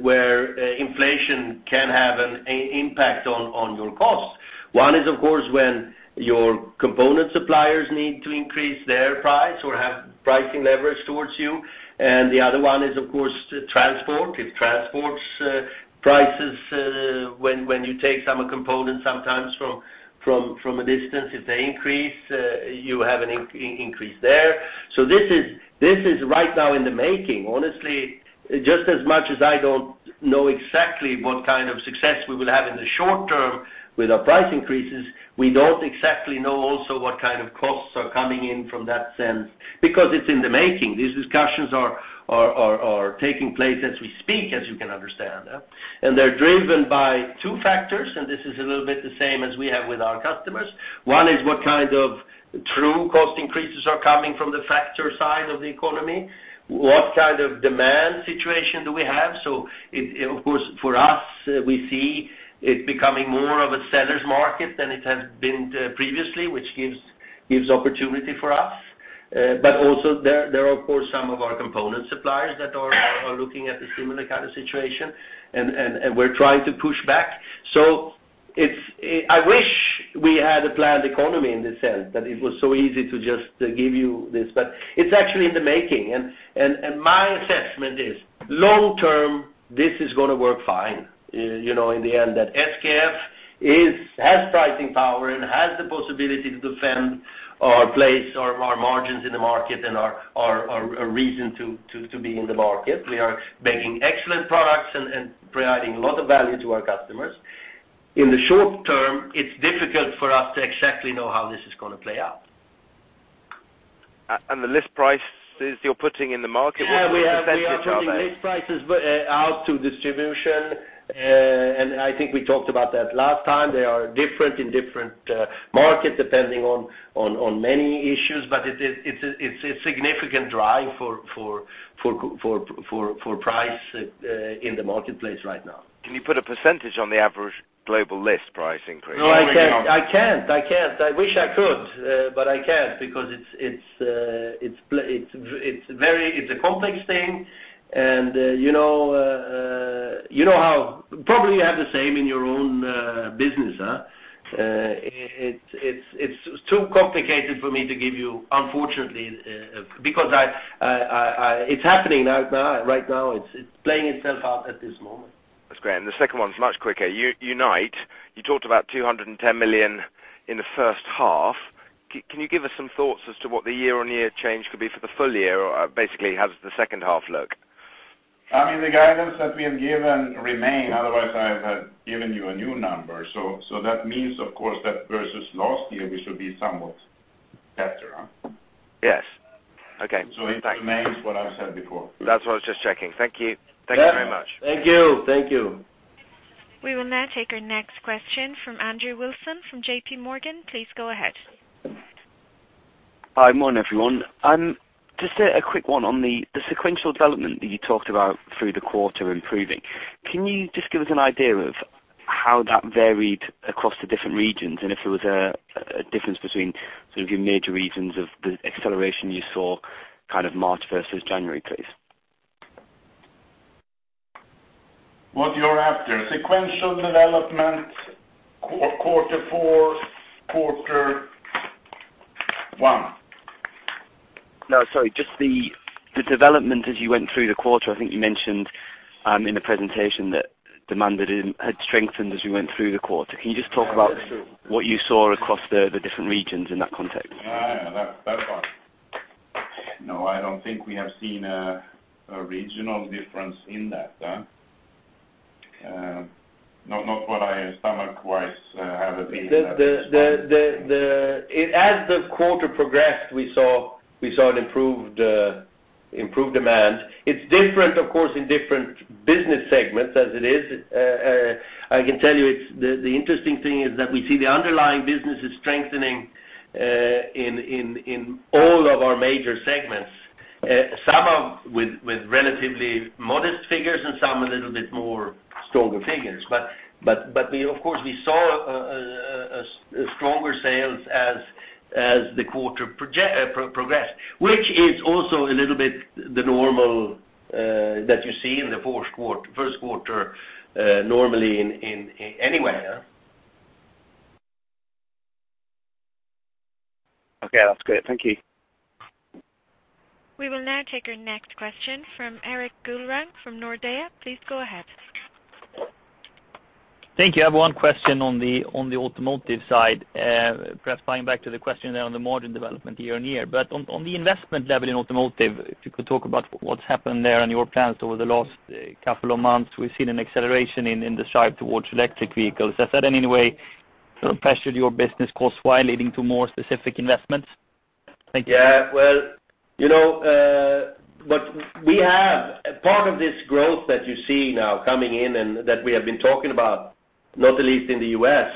[SPEAKER 3] where inflation can have an impact on your cost. One is, of course, when your component suppliers need to increase their price or have pricing leverage towards you, and the other one is, of course, transport. If transport prices, when you take some components sometimes from a distance, if they increase, you have an increase there. So this is, this is right now in the making. Honestly, just as much as I don't know exactly what kind of success we will have in the short term with our price increases, we don't exactly know also what kind of costs are coming in from that sense, because it's in the making. These discussions are taking place as we speak, as you can understand, huh? And they're driven by two factors, and this is a little bit the same as we have with our customers. One is what kind of true cost increases are coming from the factor side of the economy? What kind of demand situation do we have? So it, of course, for us, we see it becoming more of a seller's market than it has been, previously, which gives opportunity for us. But also there are, of course, some of our component suppliers that are looking at a similar kind of situation, and we're trying to push back. So it's... I wish we had a planned economy in the sense that it was so easy to just give you this, but it's actually in the making. And my assessment is, long term, this is gonna work fine, you know, in the end, that SKF has pricing power and has the possibility to defend our place or our margins in the market and our reason to be in the market. We are making excellent products and providing a lot of value to our customers. In the short term, it's difficult for us to exactly know how this is gonna play out.
[SPEAKER 10] The list prices you're putting in the market, what percentage are they?
[SPEAKER 3] Yeah, we are putting list prices out to distribution, and I think we talked about that last time. They are different in different market, depending on many issues, but it's a significant drive for price in the marketplace right now.
[SPEAKER 10] Can you put a percentage on the average global list price increase?
[SPEAKER 3] No, I can't.
[SPEAKER 4] No, we are-
[SPEAKER 3] I can't, I can't. I wish I could, but I can't because it's a complex thing, and you know, you know how... Probably, you have the same in your own business, huh? It's too complicated for me to give you, unfortunately, because I... It's happening now, now, right now. It's playing itself out at this moment.
[SPEAKER 10] That's great. And the second one is much quicker. Unite, you talked about 210 million in the first half. Can you give us some thoughts as to what the year-on-year change could be for the full year, or basically, how does the second half look?
[SPEAKER 4] I mean, the guidance that we have given remain; otherwise, I have given you a new number. So, that means, of course, that versus last year, we should be somewhat better, huh?
[SPEAKER 10] Yes. Okay. Thank you.
[SPEAKER 4] It remains what I've said before.
[SPEAKER 10] That's what I was just checking. Thank you. Thank you very much.
[SPEAKER 3] Yeah. Thank you, thank you.
[SPEAKER 1] We will now take our next question from Andrew Wilson, from JP Morgan. Please go ahead.
[SPEAKER 11] Hi, morning, everyone. Just a quick one on the sequential development that you talked about through the quarter improving. Can you just give us an idea of how that varied across the different regions, and if there was a difference between sort of your major regions of the acceleration you saw, kind of March versus January, please?
[SPEAKER 4] What you're after, sequential development, quarter four, quarter one?
[SPEAKER 11] No, sorry, just the development as you went through the quarter. I think you mentioned in the presentation that demand had strengthened as you went through the quarter. Can you just talk about-
[SPEAKER 4] Yeah, that's true.
[SPEAKER 11] What you saw across the different regions in that context?
[SPEAKER 4] Yeah, yeah, that, that one. No, I don't think we have seen a regional difference in that. Not what I stomach-wise have been able to spot.
[SPEAKER 3] As the quarter progressed, we saw an improved demand. It's different, of course, in different business segments as it is. I can tell you, it's the interesting thing is that we see the underlying business is strengthening in all of our major segments. Some with relatively modest figures and some a little bit more stronger figures. But we of course saw a stronger sales as the quarter progressed, which is also a little bit the normal that you see in the Q4, Q1 normally in anywhere, huh?
[SPEAKER 11] Okay, that's great. Thank you.
[SPEAKER 1] We will now take our next question from Erik Golrang from Nordea. Please go ahead.
[SPEAKER 12] Thank you. I have one question on the automotive side, perhaps harking back to the question on the margin development year-on-year. But on the investment level in automotive, if you could talk about what's happened there and your plans over the last couple of months, we've seen an acceleration in the drive towards electric vehicles. Has that in any way sort of pressured your business cost-wise, leading to more specific investments? Thank you.
[SPEAKER 3] Yeah, well, you know, what we have, part of this growth that you see now coming in, and that we have been talking about, not the least in the U.S.,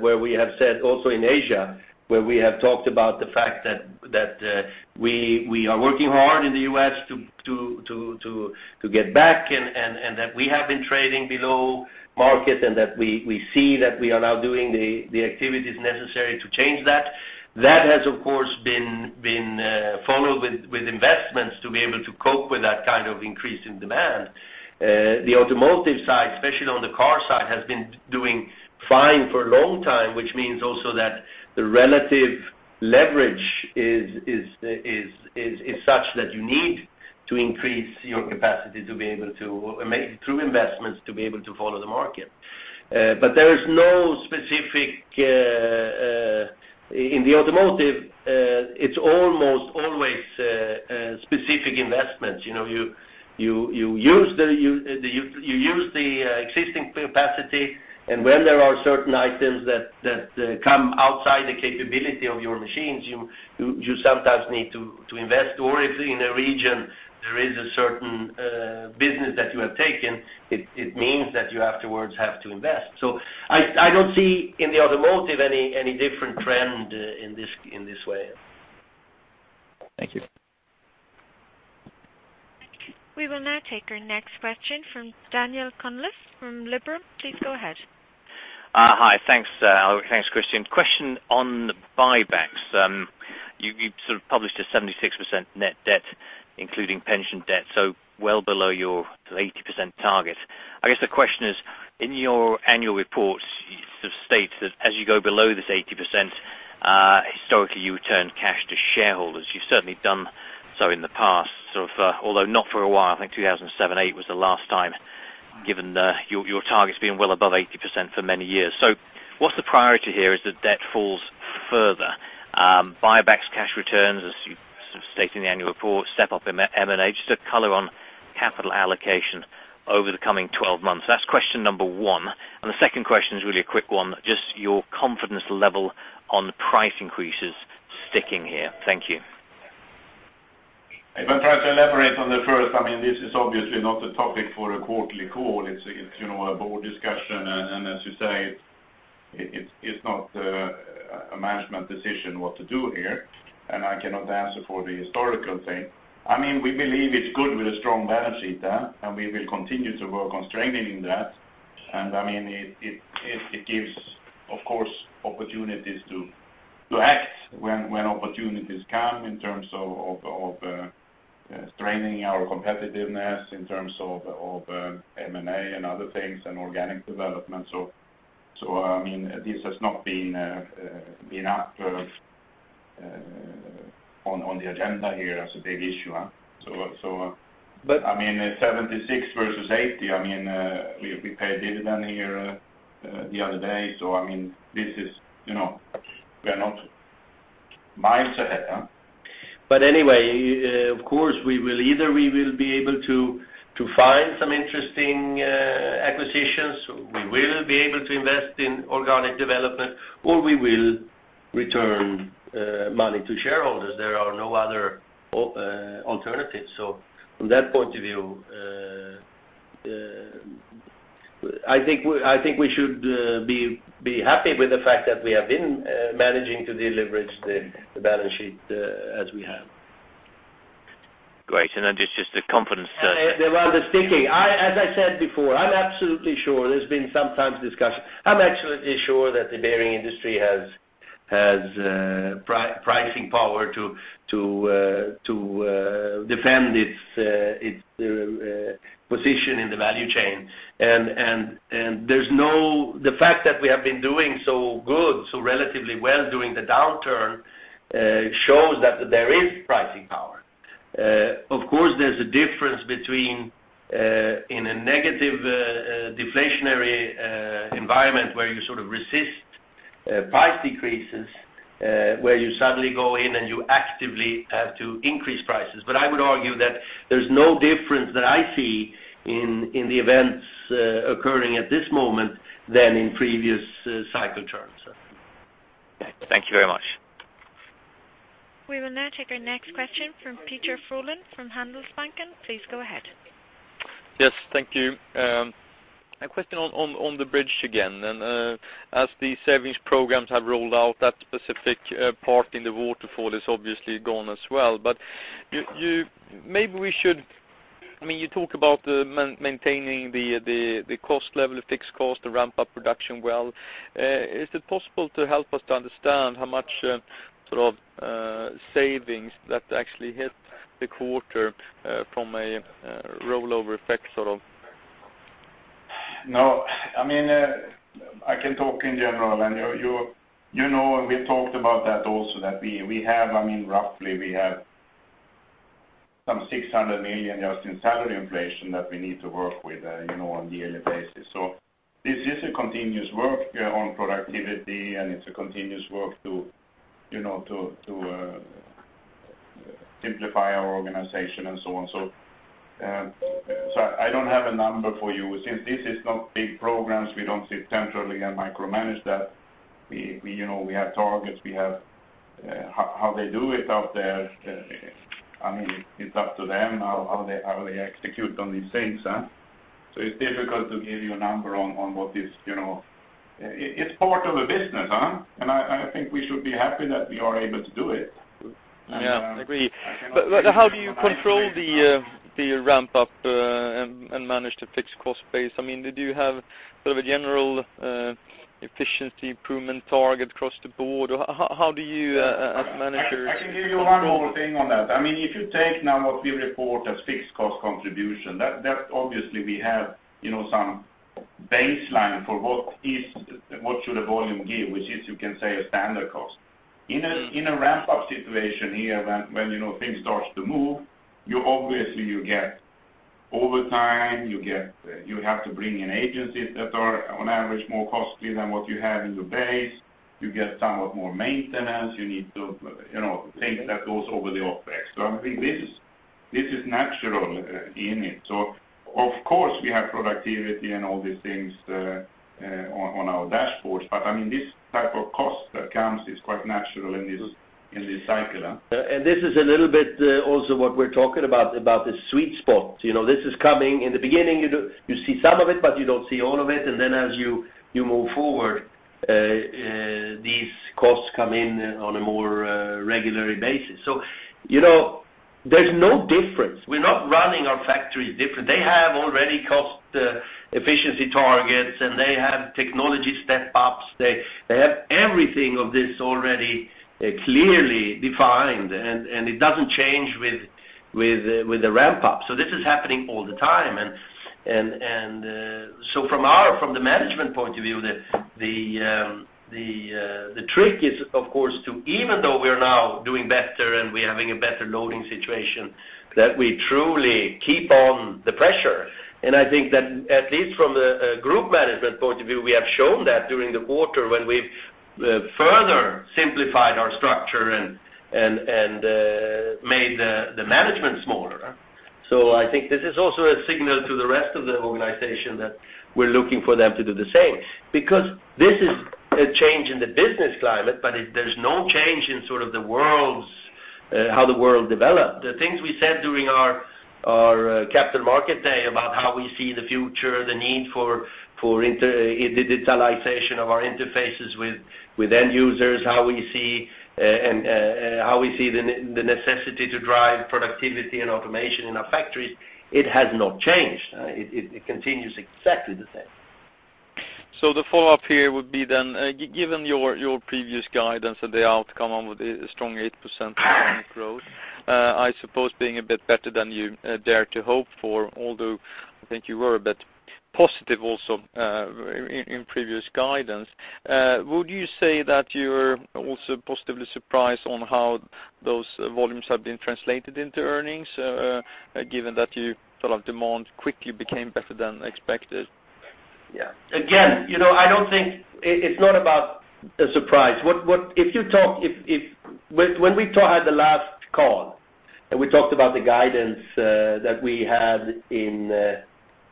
[SPEAKER 3] where we have said also in Asia, where we have talked about the fact that we are working hard in the U.S. to get back, and that we have been trading below market, and that we see that we are now doing the activities necessary to change that. That has, of course, been followed with investments to be able to cope with that kind of increase in demand. The automotive side, especially on the car side, has been doing fine for a long time, which means also that the relative leverage is such that you need to increase your capacity to be able to make through investments, to be able to follow the market. But there is no specific in the automotive, it's almost always specific investments. You know, you use the existing capacity, and when there are certain items that come outside the capability of your machines, you sometimes need to invest. Or if in a region, there is a certain business that you have taken, it means that you afterwards have to invest. So I don't see in the automotive any different trend in this way.
[SPEAKER 12] Thank you.
[SPEAKER 1] We will now take our next question from Daniel Sheridan from Liberum. Please go ahead.
[SPEAKER 13] Hi. Thanks, thanks, Christian. Question on the buybacks. You sort of published a 76% net debt, including pension debt, so well below your 80% target. I guess the question is, in your annual report, you sort of state that as you go below this 80%, historically, you returned cash to shareholders. You've certainly done so in the past, sort of, although not for a while, I think 2007/8 was the last time, given your targets being well above 80% for many years. So what's the priority here as the debt falls further? Buybacks, cash returns, as you sort of state in the annual report, step up M&A, just a color on capital allocation over the coming 12 months. That's question number one. And the second question is really a quick one, just your confidence level on price increases sticking here. Thank you.
[SPEAKER 4] If I try to elaborate on the first, I mean, this is obviously not a topic for a quarterly call. It's, you know, a board discussion, and as you say, it's not a management decision what to do here, and I cannot answer for the historical thing. I mean, we believe it's good with a strong balance sheet, yeah, and we will continue to work on strengthening that. And, I mean, it gives, of course, opportunities to act when opportunities come in terms of strengthening our competitiveness, in terms of M&A and other things, and organic development. I mean, this has not been up on the agenda here as a big issue, huh? But I mean, 76 versus 80. I mean, we paid dividend here the other day. So, I mean, this is, you know, we are not miles ahead, huh?
[SPEAKER 3] But anyway, of course, we will be able to find some interesting acquisitions, we will be able to invest in organic development, or we will return money to shareholders, there are no other alternatives. So from that point of view, I think we should be happy with the fact that we have been managing to deleverage the balance sheet, as we have.
[SPEAKER 13] Great, and then just, just the confidence that-
[SPEAKER 3] As I said before, I'm absolutely sure there's been some discussion. I'm absolutely sure that the bearing industry has pricing power to defend its position in the value chain. And the fact that we have been doing so good, so relatively well during the downturn shows that there is pricing power. Of course, there's a difference between in a negative deflationary environment, where you sort of resist price decreases, where you suddenly go in and you actively have to increase prices. But I would argue that there's no difference that I see in the events occurring at this moment than in previous cycle turns.
[SPEAKER 13] Okay. Thank you very much.
[SPEAKER 1] We will now take our next question from Peder Frölén, from Handelsbanken. Please go ahead.
[SPEAKER 14] Yes, thank you. A question on the bridge again, and as the savings programs have rolled out, that specific part in the waterfall is obviously gone as well. But you-- maybe we should... I mean, you talk about maintaining the cost level, the fixed cost, the ramp-up production well. Is it possible to help us understand how much sort of savings that actually hit the quarter from a rollover effect, sort of?
[SPEAKER 4] No, I mean, I can talk in general, and you know, and we talked about that also, that we have, I mean, roughly, we have some 600 million just in salary inflation that we need to work with, you know, on a yearly basis. So this is a continuous work on productivity, and it's a continuous work to, you know, to simplify our organization and so on. So, so I don't have a number for you. Since this is not big programs, we don't sit centrally and micromanage that. We, you know, we have targets, we have how they do it out there, I mean, it's up to them, how they execute on these things, huh? So it's difficult to give you a number on what is, you know... It's part of the business, huh? And I think we should be happy that we are able to do it.
[SPEAKER 14] Yeah, I agree.
[SPEAKER 4] I cannot-
[SPEAKER 14] But how do you control the ramp up and manage the fixed cost base? I mean, do you have sort of a general efficiency improvement target across the board? Or how do you as managers-
[SPEAKER 4] I can give you one more thing on that. I mean, if you take now what we report as fixed cost contribution, that, that obviously, we have, you know, some baseline for what is, what should a volume give, which is, you can say, a standard cost. In a, in a ramp-up situation here, when, when you know, things starts to move, you obviously, you get over time, you get, you have to bring in agencies that are, on average, more costly than what you have in the base. You get somewhat more maintenance. You need to, you know, things that goes over the off effects. So I think this is, this is natural in it. So of course, we have productivity and all these things, on, on our dashboards, but, I mean, this type of cost that comes is quite natural in this, in this cycle, huh?
[SPEAKER 3] And this is a little bit also what we're talking about, about the sweet spot. You know, this is coming. In the beginning, you do, you see some of it, but you don't see all of it, and then as you, you move forward, these costs come in on a more regularly basis. So, you know, there's no difference. We're not running our factories different. They have already cost efficiency targets, and they have technology step-ups. They have everything of this already clearly defined, and it doesn't change with the ramp-up. So this is happening all the time, so from the management point of view, the trick is, of course, to even though we are now doing better and we're having a better loading situation, that we truly keep on the pressure. And I think that at least from the group management point of view, we have shown that during the quarter when we've further simplified our structure and made the management smaller. So I think this is also a signal to the rest of the organization, that we're looking for them to do the same. Because this is a change in the business climate, but it - there's no change in sort of the world's how the world developed. The things we said during our Capital Markets Day about how we see the future, the need for digitalization of our interfaces with end users, how we see the necessity to drive productivity and automation in our factories, it has not changed. It continues exactly the same.
[SPEAKER 14] So the follow-up here would be then, given your previous guidance, and they come out with a strong 8% growth, I suppose being a bit better than you dare to hope for, although I think you were a bit positive also in previous guidance. Would you say that you're also positively surprised on how those volumes have been translated into earnings, given that you sort of demand quickly became better than expected?
[SPEAKER 3] Yeah. Again, you know, I don't think it's not about a surprise. What if you talk, if... When we talk at the last call... And we talked about the guidance that we had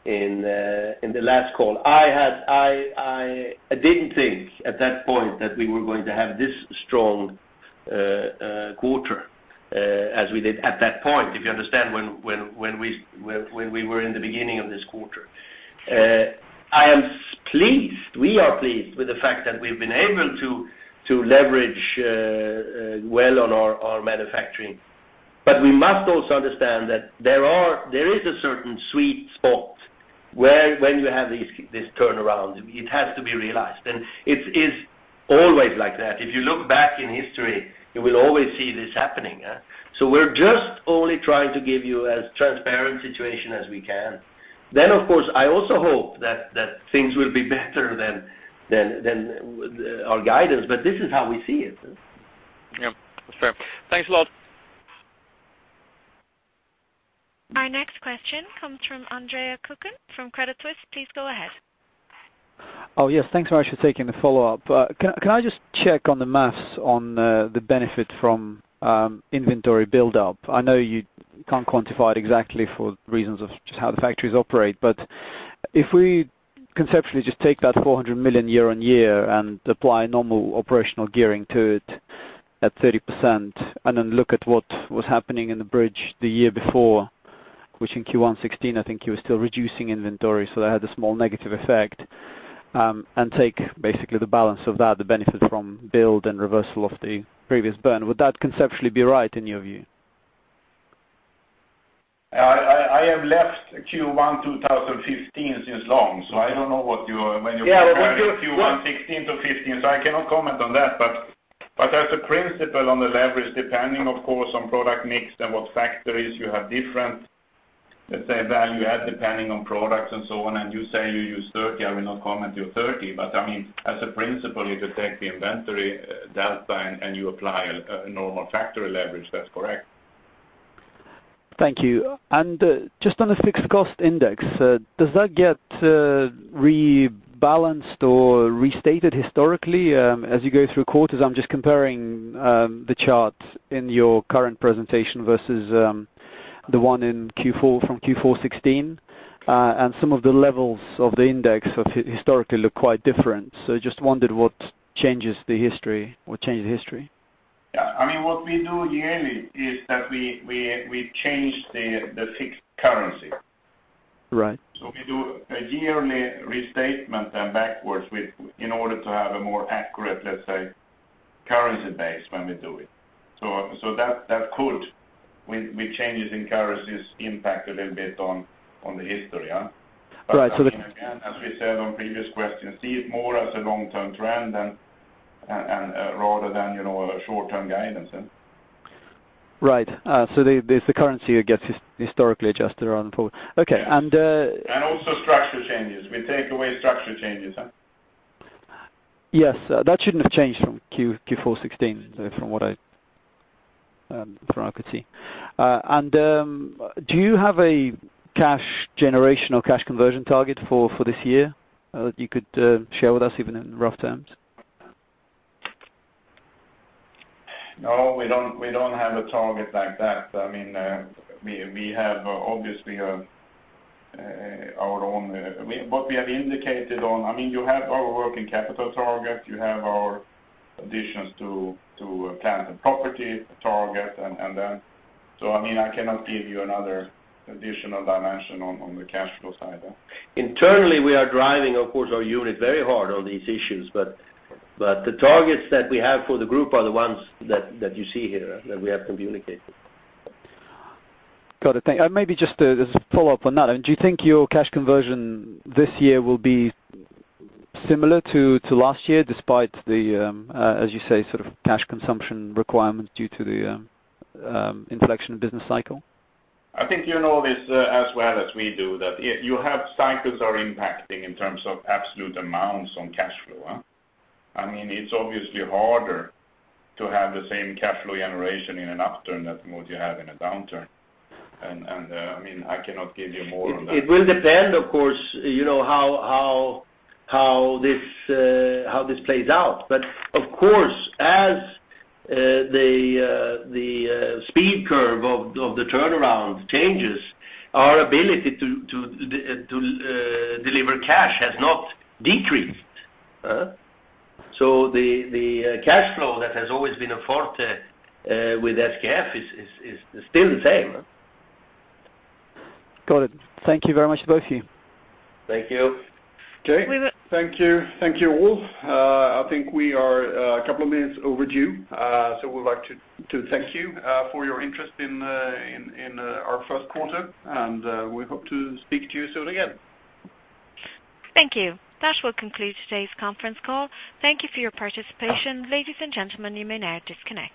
[SPEAKER 3] in the last call. I didn't think at that point that we were going to have this strong quarter as we did at that point, if you understand, when we were in the beginning of this quarter. I am pleased, we are pleased with the fact that we've been able to leverage well on our manufacturing. But we must also understand that there is a certain sweet spot where when you have this turnaround, it has to be realized, and it is always like that. If you look back in history, you will always see this happening. So we're just only trying to give you as transparent situation as we can. Then, of course, I also hope that things will be better than our guidance, but this is how we see it.
[SPEAKER 14] Yeah, that's fair. Thanks a lot.
[SPEAKER 1] Our next question comes from Andre Kukhnin from Credit Suisse. Please go ahead.
[SPEAKER 8] Oh, yes. Thanks very much for taking the follow-up. Can, can I just check on the math on the benefit from inventory buildup? I know you can't quantify it exactly for reasons of just how the factories operate, but if we conceptually just take that 400 million year-on-year and apply normal operational gearing to it at 30%, and then look at what was happening in the bridge the year before, which in Q1 2016, I think you were still reducing inventory, so that had a small negative effect, and take basically the balance of that, the benefit from build and reversal of the previous burn. Would that conceptually be right, in your view?
[SPEAKER 4] I have left Q1, 2015 is long, so I don't know what you are- when you-
[SPEAKER 8] Yeah, but when you-
[SPEAKER 4] Q1 16 to 15, so I cannot comment on that. But as a principle on the leverage, depending, of course, on product mix and what factories, you have different, let's say, value add, depending on products and so on, and you say you use 30. I will not comment your 30, but I mean, as a principle, if you take the inventory delta and you apply a normal factory leverage, that's correct.
[SPEAKER 8] Thank you. Just on the fixed cost index, does that get rebalanced or restated historically, as you go through quarters? I'm just comparing the chart in your current presentation versus the one in Q4 from Q4 2016. Some of the levels of the index historically look quite different. I just wondered what changes the history or change the history.
[SPEAKER 4] Yeah. I mean, what we do yearly is that we change the fixed currency.
[SPEAKER 8] Right.
[SPEAKER 4] So we do a yearly restatement and backwards with, in order to have a more accurate, let's say, currency base when we do it. So, so that that could, with changes in currencies, impact a little bit on the history.
[SPEAKER 8] Right. So the-
[SPEAKER 4] As we said on previous questions, see it more as a long-term trend than, and rather than, you know, a short-term guidance, then.
[SPEAKER 8] Right. So the currency gets historically adjusted on for... Okay. And
[SPEAKER 4] And also structure changes. We take away structure changes.
[SPEAKER 8] Yes, that shouldn't have changed from Q4 2016, from what I could see. And do you have a cash generation or cash conversion target for this year you could share with us, even in rough terms?
[SPEAKER 4] No, we don't, we don't have a target like that. I mean, we, we have obviously a, our own, what we have indicated on. I mean, you have our working capital target, you have our additions to, to plant and property target, and, and then. So, I mean, I cannot give you another additional dimension on, on the cash flow side.
[SPEAKER 3] Internally, we are driving, of course, our unit very hard on these issues, but the targets that we have for the group are the ones that you see here, that we have communicated.
[SPEAKER 8] Got it. Thank you. And maybe just as a follow-up on that, do you think your cash conversion this year will be similar to, to last year, despite the, as you say, sort of cash consumption requirements due to the, inflection business cycle?
[SPEAKER 4] I think you know this, as well as we do, that you have cycles are impacting in terms of absolute amounts on cash flow. I mean, it's obviously harder to have the same cash flow generation in an upturn than what you have in a downturn. I mean, I cannot give you more on that.
[SPEAKER 3] It will depend, of course, you know, how this plays out. But of course, as the speed curve of the turnaround changes, our ability to deliver cash has not decreased. So the cash flow that has always been a forte with SKF is still the same.
[SPEAKER 8] Got it. Thank you very much, both of you.
[SPEAKER 3] Thank you.
[SPEAKER 4] Okay. Thank you, thank you, all. I think we are a couple of minutes overdue, so we'd like to thank you for your interest in our Q1, and we hope to speak to you soon again.
[SPEAKER 1] Thank you. That will conclude today's conference call. Thank you for your participation. Ladies and gentlemen, you may now disconnect.